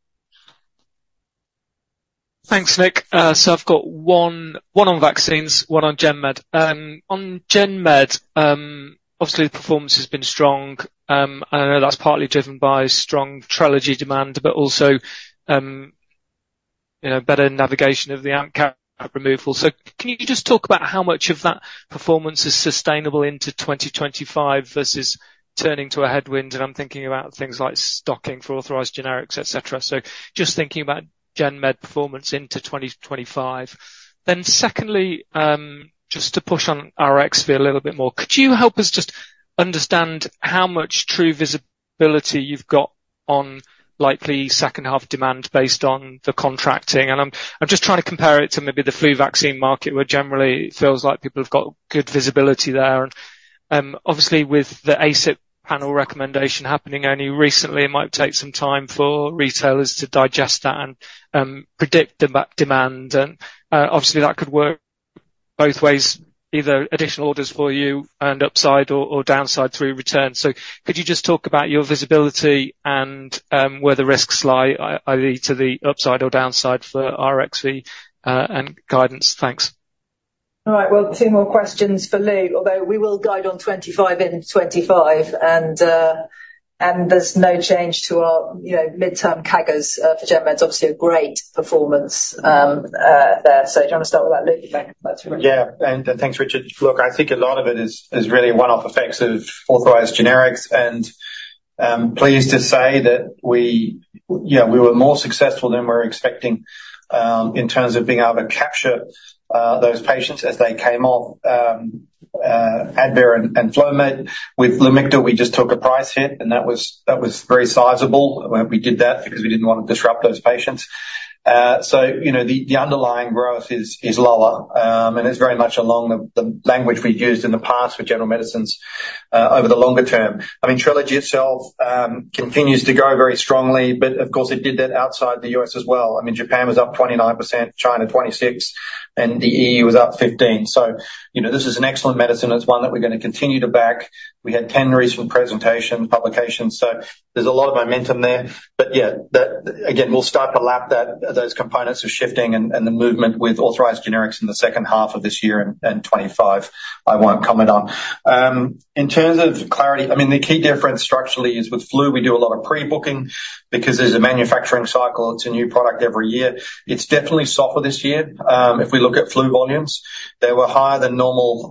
Thanks, Nick. So I've got one on vaccines, one on GenMed. On GenMed, obviously, the performance has been strong. And I know that's partly driven by strong Trelegy demand, but also better navigation of the AMP Cap removal. So can you just talk about how much of that performance is sustainable into 2025 versus turning to a headwind? And I'm thinking about things like stocking for authorized generics, etc. So just thinking about GenMed performance into 2025. Then secondly, just to push on RX fee a little bit more, could you help us just understand how much true visibility you've got on likely second half demand based on the contracting? And I'm just trying to compare it to maybe the flu vaccine market, where generally, it feels like people have got good visibility there. Obviously, with the ACIP panel recommendation happening only recently, it might take some time for retailers to digest that and predict demand. Obviously, that could work both ways, either additional orders for you and upside or downside through returns. Could you just talk about your visibility and where the risks lie, either to the upside or downside for Arexvy and guidance? Thanks. All right. Well, two more questions for Luke, although we will guide on 2025 in 2025. And there's no change to our midterm CAGRs for GenMed. It's obviously a great performance there. So do you want to start with that, Luke? Thanks very much. Yeah. Thanks, Richard. Look, I think a lot of it is really one-off effects of authorized generics. Pleased to say that we were more successful than we were expecting in terms of being able to capture those patients as they came off Advair and Flovent. With Lamictal, we just took a price hit, and that was very sizable. We did that because we didn't want to disrupt those patients. The underlying growth is lower, and it's very much along the language we've used in the past with general medicines over the longer term. I mean, Trelegy itself continues to go very strongly, but of course, it did that outside the US as well. I mean, Japan was up 29%, China 26%, and the EU was up 15%. This is an excellent medicine. It's one that we're going to continue to back. We had 10 recent presentation publications. So there's a lot of momentum there. But yeah, again, we'll start to lap those components of shifting and the movement with authorized generics in the second half of this year and 2025. I won't comment on. In terms of clarity, I mean, the key difference structurally is with flu, we do a lot of pre-booking because there's a manufacturing cycle. It's a new product every year. It's definitely softer this year. If we look at flu volumes, they were higher than normal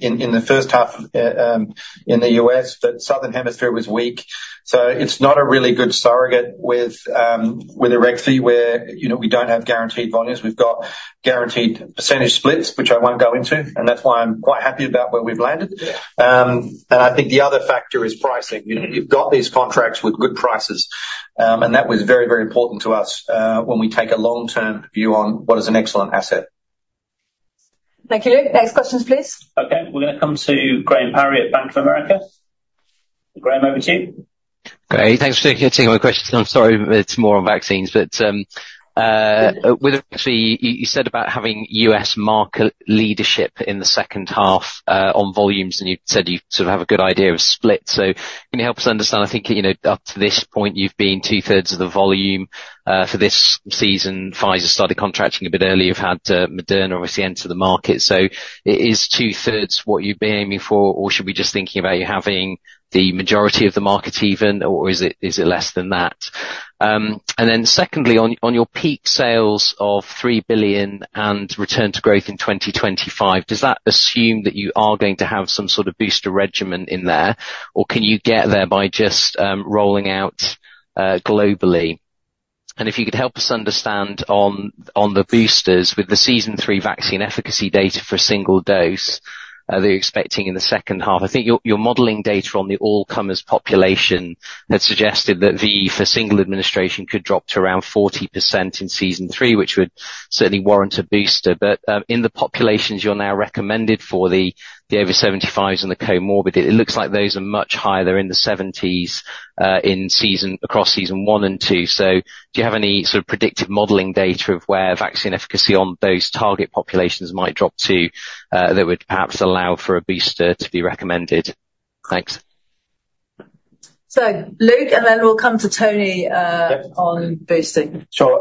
in the first half in the U.S., but southern hemisphere was weak. So it's not a really good surrogate with Arexvy where we don't have guaranteed volumes. We've got guaranteed percentage splits, which I won't go into. And that's why I'm quite happy about where we've landed. And I think the other factor is pricing. You've got these contracts with good prices, and that was very, very important to us when we take a long-term view on what is an excellent asset. Thank you, Luke. Next questions, please. Okay. We're going to come to Graham Parry at Bank of America. Graham, over to you. Great. Thanks for taking my question. I'm sorry it's more on vaccines. But with Arexvy, you said about having US market leadership in the second half on volumes, and you said you sort of have a good idea of split. So can you help us understand? I think up to this point, you've been two-thirds of the volume for this season. Pfizer started contracting a bit earlier. You've had Moderna obviously enter the market. So is two-thirds what you've been aiming for, or should we just think about you having the majority of the market even, or is it less than that? And then secondly, on your peak sales of $3 billion and return to growth in 2025, does that assume that you are going to have some sort of booster regimen in there, or can you get there by just rolling out globally? If you could help us understand on the boosters with the season 3 vaccine efficacy data for a single dose that you're expecting in the second half, I think your modeling data on the all-comers population had suggested that VE for single administration could drop to around 40% in season three, which would certainly warrant a booster. But in the populations you're now recommended for, the over 75s and the comorbid, it looks like those are much higher. They're in the 70s across season one and two. So do you have any sort of predictive modeling data of where vaccine efficacy on those target populations might drop to that would perhaps allow for a booster to be recommended? Thanks. Luke and then we'll come to Tony on boosting. Sure.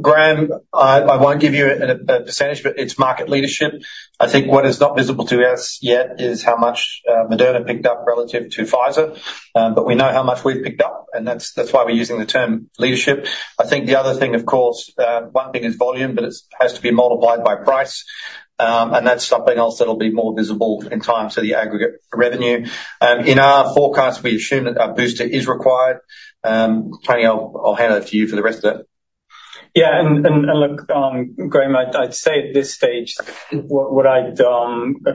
Graham, I won't give you a percentage, but it's market leadership. I think what is not visible to us yet is how much Moderna picked up relative to Pfizer, but we know how much we've picked up, and that's why we're using the term leadership. I think the other thing, of course, one thing is volume, but it has to be multiplied by price. And that's something else that'll be more visible in time to the aggregate revenue. In our forecast, we assume that a booster is required. Tony, I'll hand it to you for the rest of it. Yeah. And look, Graham, I'd say at this stage, what I'd say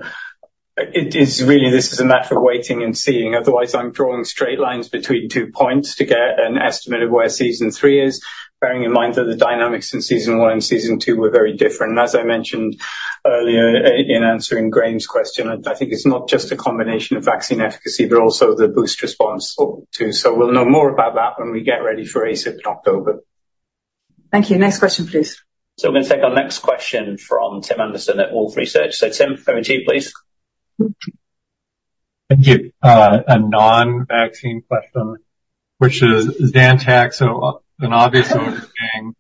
is really this is a matter of waiting and seeing. Otherwise, I'm drawing straight lines between two points to get an estimate of where season three is, bearing in mind that the dynamics in season one and season two were very different. And as I mentioned earlier in answering Graham's question, I think it's not just a combination of vaccine efficacy, but also the boost response too. So we'll know more about that when we get ready for ACIP in October. Thank you. Next question, please. So we're going to take our next question from Tim Anderson at Wolfe Research. So Tim, over to you, please. Thank you. A non-vaccine question, which is Zantac, an obvious overhang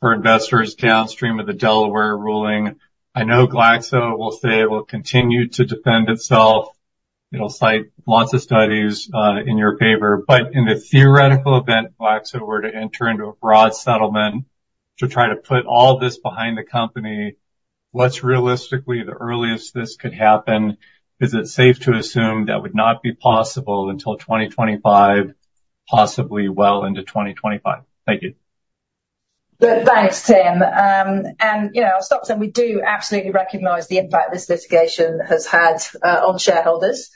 for investors downstream of the Delaware ruling. I know Glaxo will say it will continue to defend itself. It'll cite lots of studies in your favor. But in the theoretical event, Glaxo were to enter into a broad settlement to try to put all this behind the company, what's realistically the earliest this could happen? Is it safe to assume that would not be possible until 2025, possibly well into 2025? Thank you. Thanks, Tim. And I'll stop there. We do absolutely recognize the impact this litigation has had on shareholders.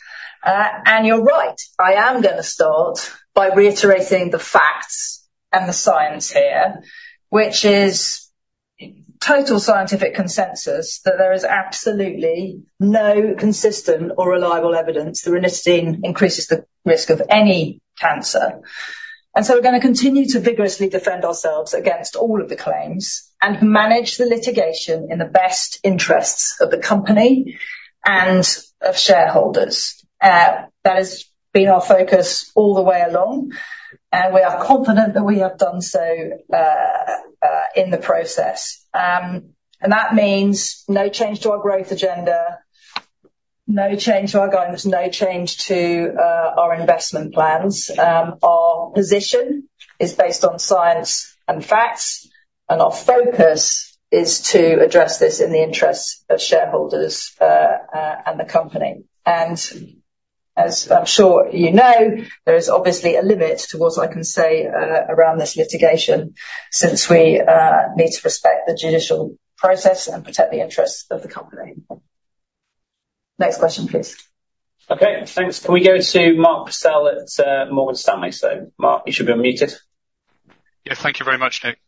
And you're right. I am going to start by reiterating the facts and the science here, which is total scientific consensus that there is absolutely no consistent or reliable evidence that ranitidine increases the risk of any cancer. And so we're going to continue to vigorously defend ourselves against all of the claims and manage the litigation in the best interests of the company and of shareholders. That has been our focus all the way along, and we are confident that we have done so in the process. And that means no change to our growth agenda, no change to our guidance, no change to our investment plans. Our position is based on science and facts, and our focus is to address this in the interests of shareholders and the company. As I'm sure you know, there is obviously a limit to what I can say around this litigation since we need to respect the judicial process and protect the interests of the company. Next question, please. Okay. Thanks. Can we go to Mark Purcell at Morgan Stanley? So Mark, you should be on mute. Yeah. Thank you very much, Nick.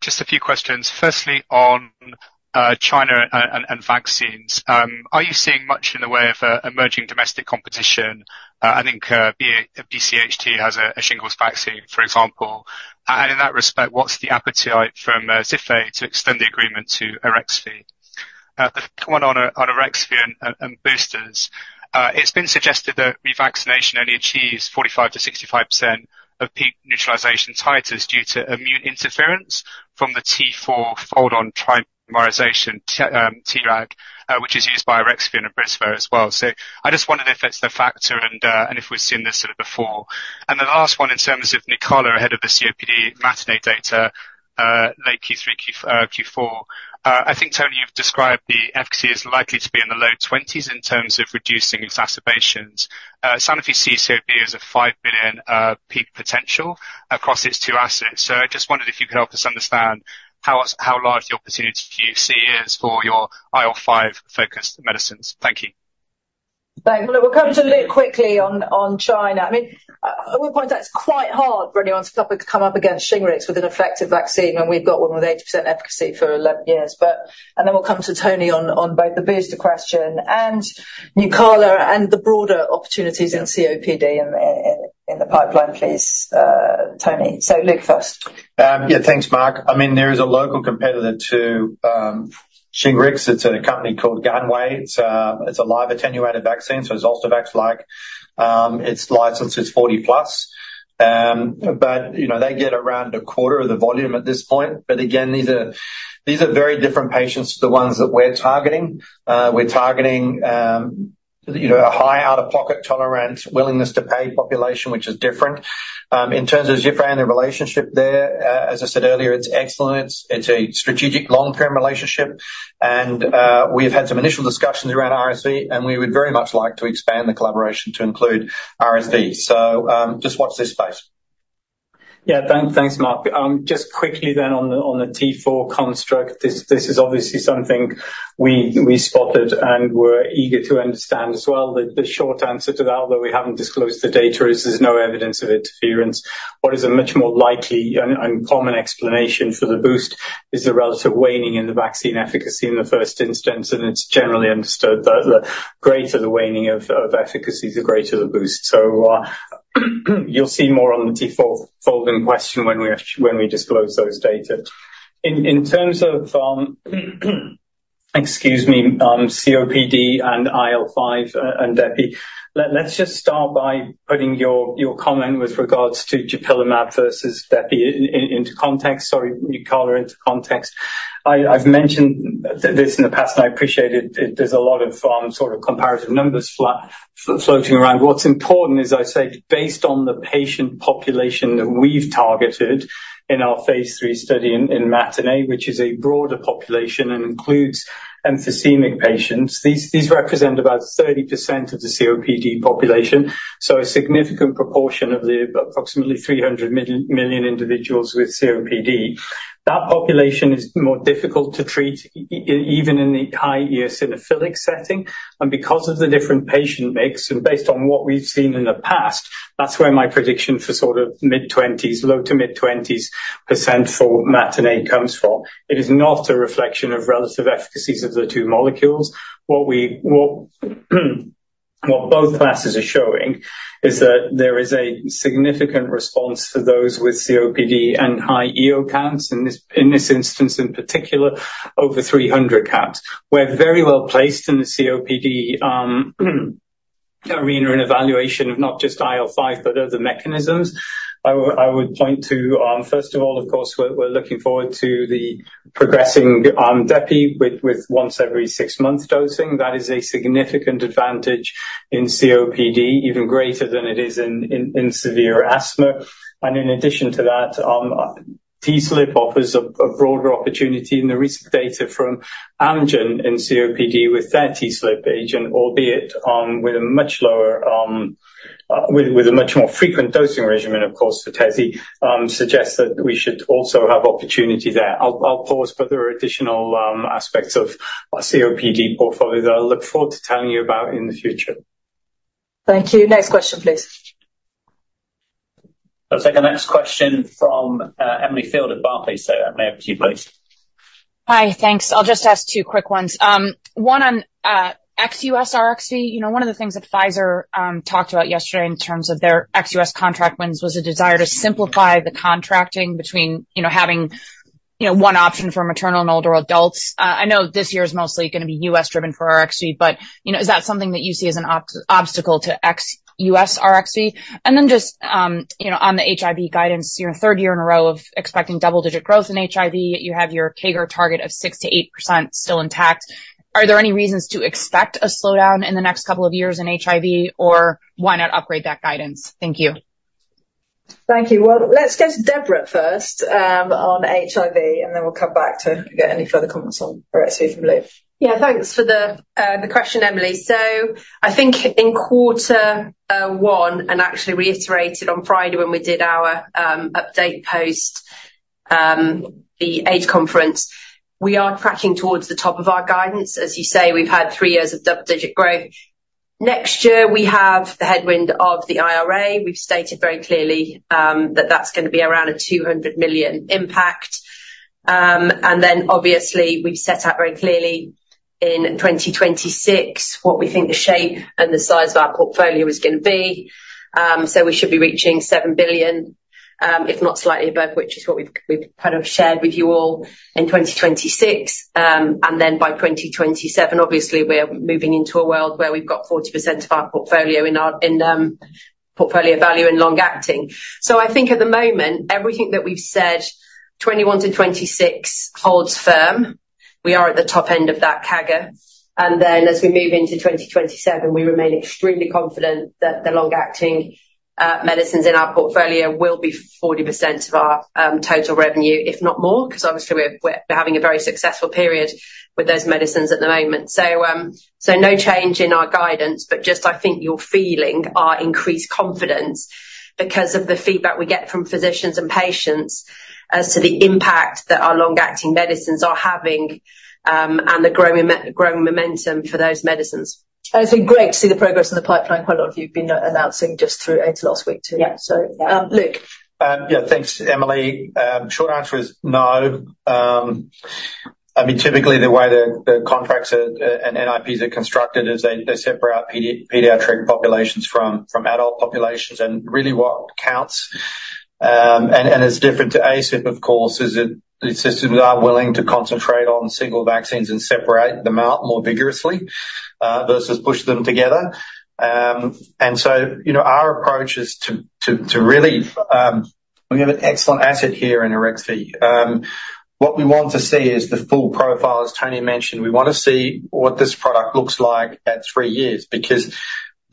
Just a few questions. First, on China and vaccines, are you seeing much in the way of emerging domestic competition? I think BCHT has a shingles vaccine, for example. And in that respect, what's the appetite from Zhifei to extend the agreement to Arexvy? The second one on Arexvy and boosters, it's been suggested that revaccination only achieves 45%-65% of peak neutralization titers due to immune interference from the T4 fold-on trimerization tag, which is used by Arexvy and Abrysvo as well. So I just wondered if it's the factor and if we've seen this sort of before. And the last one in terms of Nucala, head of the COPD maintenance data, late Q3, Q4. I think, Tony, you've described the efficacy as likely to be in the low 20s in terms of reducing exacerbations. Sanofi COPD has a $5 billion peak potential across its two assets. So I just wondered if you could help us understand how large the opportunity you see is for your IL5-focused medicines. Thank you. Thanks. Look, we'll come to Luke quickly on China. I mean, I will point out it's quite hard for anyone to come up against Shingrix with an effective vaccine when we've got one with 80% efficacy for 11 years. And then we'll come to Tony on both the booster question and Nucala and the broader opportunities in COPD in the pipeline, please, Tony. So Luke first. Yeah. Thanks, Mark. I mean, there is a local competitor to Shingrix. It's a company called Ganwei. It's a live attenuated vaccine, so it's Zostavax-like. It's licensed as 40+. But they get around a quarter of the volume at this point. But again, these are very different patients to the ones that we're targeting. We're targeting a high out-of-pocket tolerance, willingness to pay population, which is different. In terms of Zhifei and the relationship there, as I said earlier, it's excellent. It's a strategic long-term relationship. And we've had some initial discussions around RSV, and we would very much like to expand the collaboration to include RSV. So just watch this space. Yeah. Thanks, Mark. Just quickly then on the T4 construct, this is obviously something we spotted and were eager to understand as well. The short answer to that, although we haven't disclosed the data, is there's no evidence of interference. What is a much more likely and common explanation for the boost is the relative waning in the vaccine efficacy in the first instance. And it's generally understood that the greater the waning of efficacy, the greater the boost. So you'll see more on the T4 folding question when we disclose those data. In terms of, excuse me, COPD and IL5 and DEPI, let's just start by putting your comment with regards to dupilumab versus DEPI into context. Sorry, Nucala into context. I've mentioned this in the past, and I appreciate it. There's a lot of sort of comparative numbers floating around. What's important is, I say, based on the patient population that we've targeted in our phase three study in mepolizumab, which is a broader population and includes emphysemic patients, these represent about 30% of the COPD population. So a significant proportion of the approximately 300 million individuals with COPD. That population is more difficult to treat, even in the high eosinophilic setting. And because of the different patient mix, and based on what we've seen in the past, that's where my prediction for sort of mid-20s, low to mid-20s% for mepolizumab comes from. It is not a reflection of relative efficacies of the two molecules. What both classes are showing is that there is a significant response for those with COPD and high EO counts, in this instance in particular, over 300 counts. We're very well placed in the COPD arena and evaluation of not just IL-5, but other mechanisms. I would point to, first of all, of course, we're looking forward to the progressing DEPI with once every six-month dosing. That is a significant advantage in COPD, even greater than it is in severe asthma. And in addition to that, TSLP offers a broader opportunity in the recent data from Amgen in COPD with their TSLP agent, albeit with a much lower, with a much more frequent dosing regimen, of course, for TSLP, suggests that we should also have opportunity there. I'll pause, but there are additional aspects of our COPD portfolio that I'll look forward to telling you about in the future. Thank you. Next question, please. I'll take our next question from Emily Field at Barclays. So, Emily, over to you, please. Hi. Thanks. I'll just ask two quick ones. One on U.S. RSV. One of the things that Pfizer talked about yesterday in terms of their U.S. contract wins was a desire to simplify the contracting between having one option for maternal and older adults. I know this year is mostly going to be U.S.-driven for RSV, but is that something that you see as an obstacle to U.S. RSV? And then just on the HIV guidance, third year in a row of expecting double-digit growth in HIV, you have your CAGR target of 6%-8% still intact. Are there any reasons to expect a slowdown in the next couple of years in HIV, or why not upgrade that guidance? Thank you. Thank you. Well, let's get to Deborah first on HIV, and then we'll come back to get any further comments on Arexvy from Luke. Yeah. Thanks for the question, Emily. So I think in quarter one, and actually reiterated on Friday when we did our update post the AIDS conference, we are tracking towards the top of our guidance. As you say, we've had three years of double-digit growth. Next year, we have the headwind of the IRA. We've stated very clearly that that's going to be around a $200 million impact. And then, obviously, we've set out very clearly in 2026 what we think the shape and the size of our portfolio is going to be. So we should be reaching $7 billion, if not slightly above, which is what we've kind of shared with you all in 2026. And then by 2027, obviously, we're moving into a world where we've got 40% of our portfolio in portfolio value and long-acting. So I think at the moment, everything that we've said, 21-26, holds firm. We are at the top end of that CAGR. And then as we move into 2027, we remain extremely confident that the long-acting medicines in our portfolio will be 40% of our total revenue, if not more, because obviously, we're having a very successful period with those medicines at the moment. So no change in our guidance, but just I think you're feeling our increased confidence because of the feedback we get from physicians and patients as to the impact that our long-acting medicines are having and the growing momentum for those medicines. It's been great to see the progress in the pipeline. Quite a lot you've been announcing just this last week, too. So Luke. Yeah. Thanks, Emily. Short answer is no. I mean, typically, the way that the contracts and NIPs are constructed is they separate out pediatric populations from adult populations. And really, what counts, and it's different to ACIP, of course, is that the systems are willing to concentrate on single vaccines and separate them out more vigorously versus push them together. And so our approach is to really we have an excellent asset here in Arexvy. What we want to see is the full profile, as Tony mentioned. We want to see what this product looks like at three years because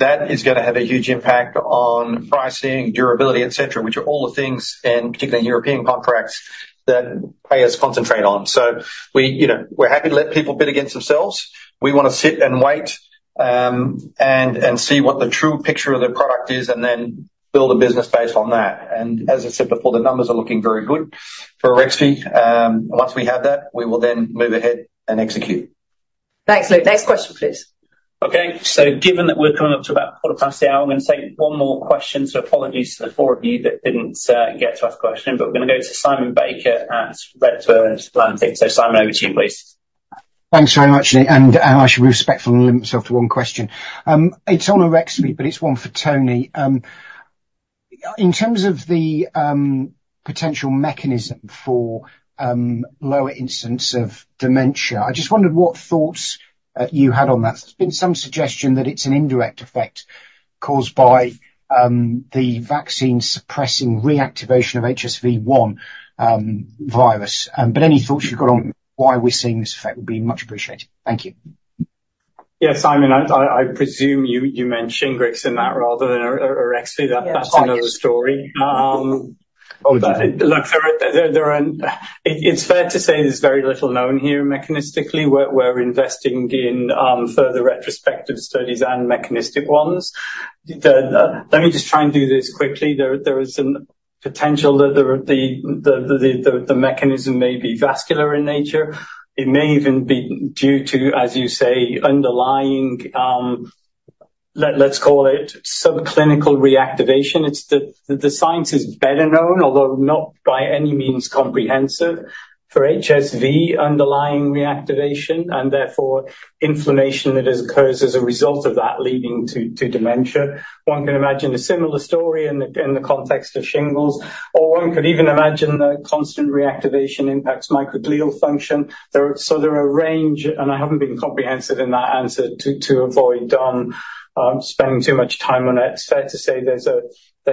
that is going to have a huge impact on pricing, durability, etc., which are all the things, and particularly in European contracts, that payers concentrate on. So we're happy to let people bid against themselves. We want to sit and wait and see what the true picture of the product is and then build a business based on that. As I said before, the numbers are looking very good for Arexvy. Once we have that, we will then move ahead and execute. Thanks, Luke. Next question, please. Okay. So given that we're coming up to about a quarter past the hour, I'm going to take one more question. So apologies to the four of you that didn't get to ask a question, but we're going to go to Simon Baker at Redburn Atlantic. So Simon, over to you, please. Thanks very much. And I should respectfully limit myself to one question. It's on Arexvy, but it's one for Tony. In terms of the potential mechanism for lower incidence of dementia, I just wondered what thoughts you had on that. There's been some suggestion that it's an indirect effect caused by the vaccine suppressing reactivation of HSV-1 virus. But any thoughts you've got on why we're seeing this effect would be much appreciated. Thank you. Yeah. Simon, I presume you meant Shingrix in that rather than Arexvy. That's another story. Look, it's fair to say there's very little known here mechanistically. We're investing in further retrospective studies and mechanistic ones. Let me just try and do this quickly. There is a potential that the mechanism may be vascular in nature. It may even be due to, as you say, underlying, let's call it subclinical reactivation. The science is better known, although not by any means comprehensive, for HSV underlying reactivation and therefore inflammation that occurs as a result of that leading to dementia. One can imagine a similar story in the context of shingles. Or one could even imagine that constant reactivation impacts microglial function. So there are a range, and I haven't been comprehensive in that answer to avoid spending too much time on it. It's fair to say there's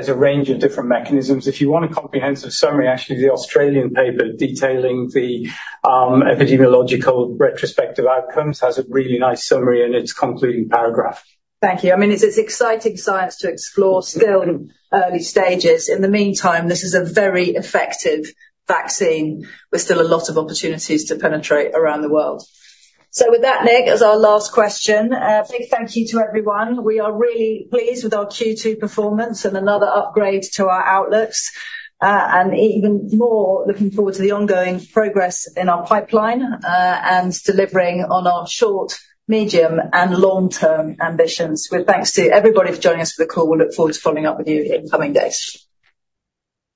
a range of different mechanisms. If you want a comprehensive summary, actually, the Australian paper detailing the epidemiological retrospective outcomes has a really nice summary in its concluding paragraph. Thank you. I mean, it's exciting science to explore still in early stages. In the meantime, this is a very effective vaccine with still a lot of opportunities to penetrate around the world. So with that, Nick, as our last question, a big thank you to everyone. We are really pleased with our Q2 performance and another upgrade to our outlooks. And even more, looking forward to the ongoing progress in our pipeline and delivering on our short, medium, and long-term ambitions. With thanks to everybody for joining us for the call, we'll look forward to following up with you in coming days.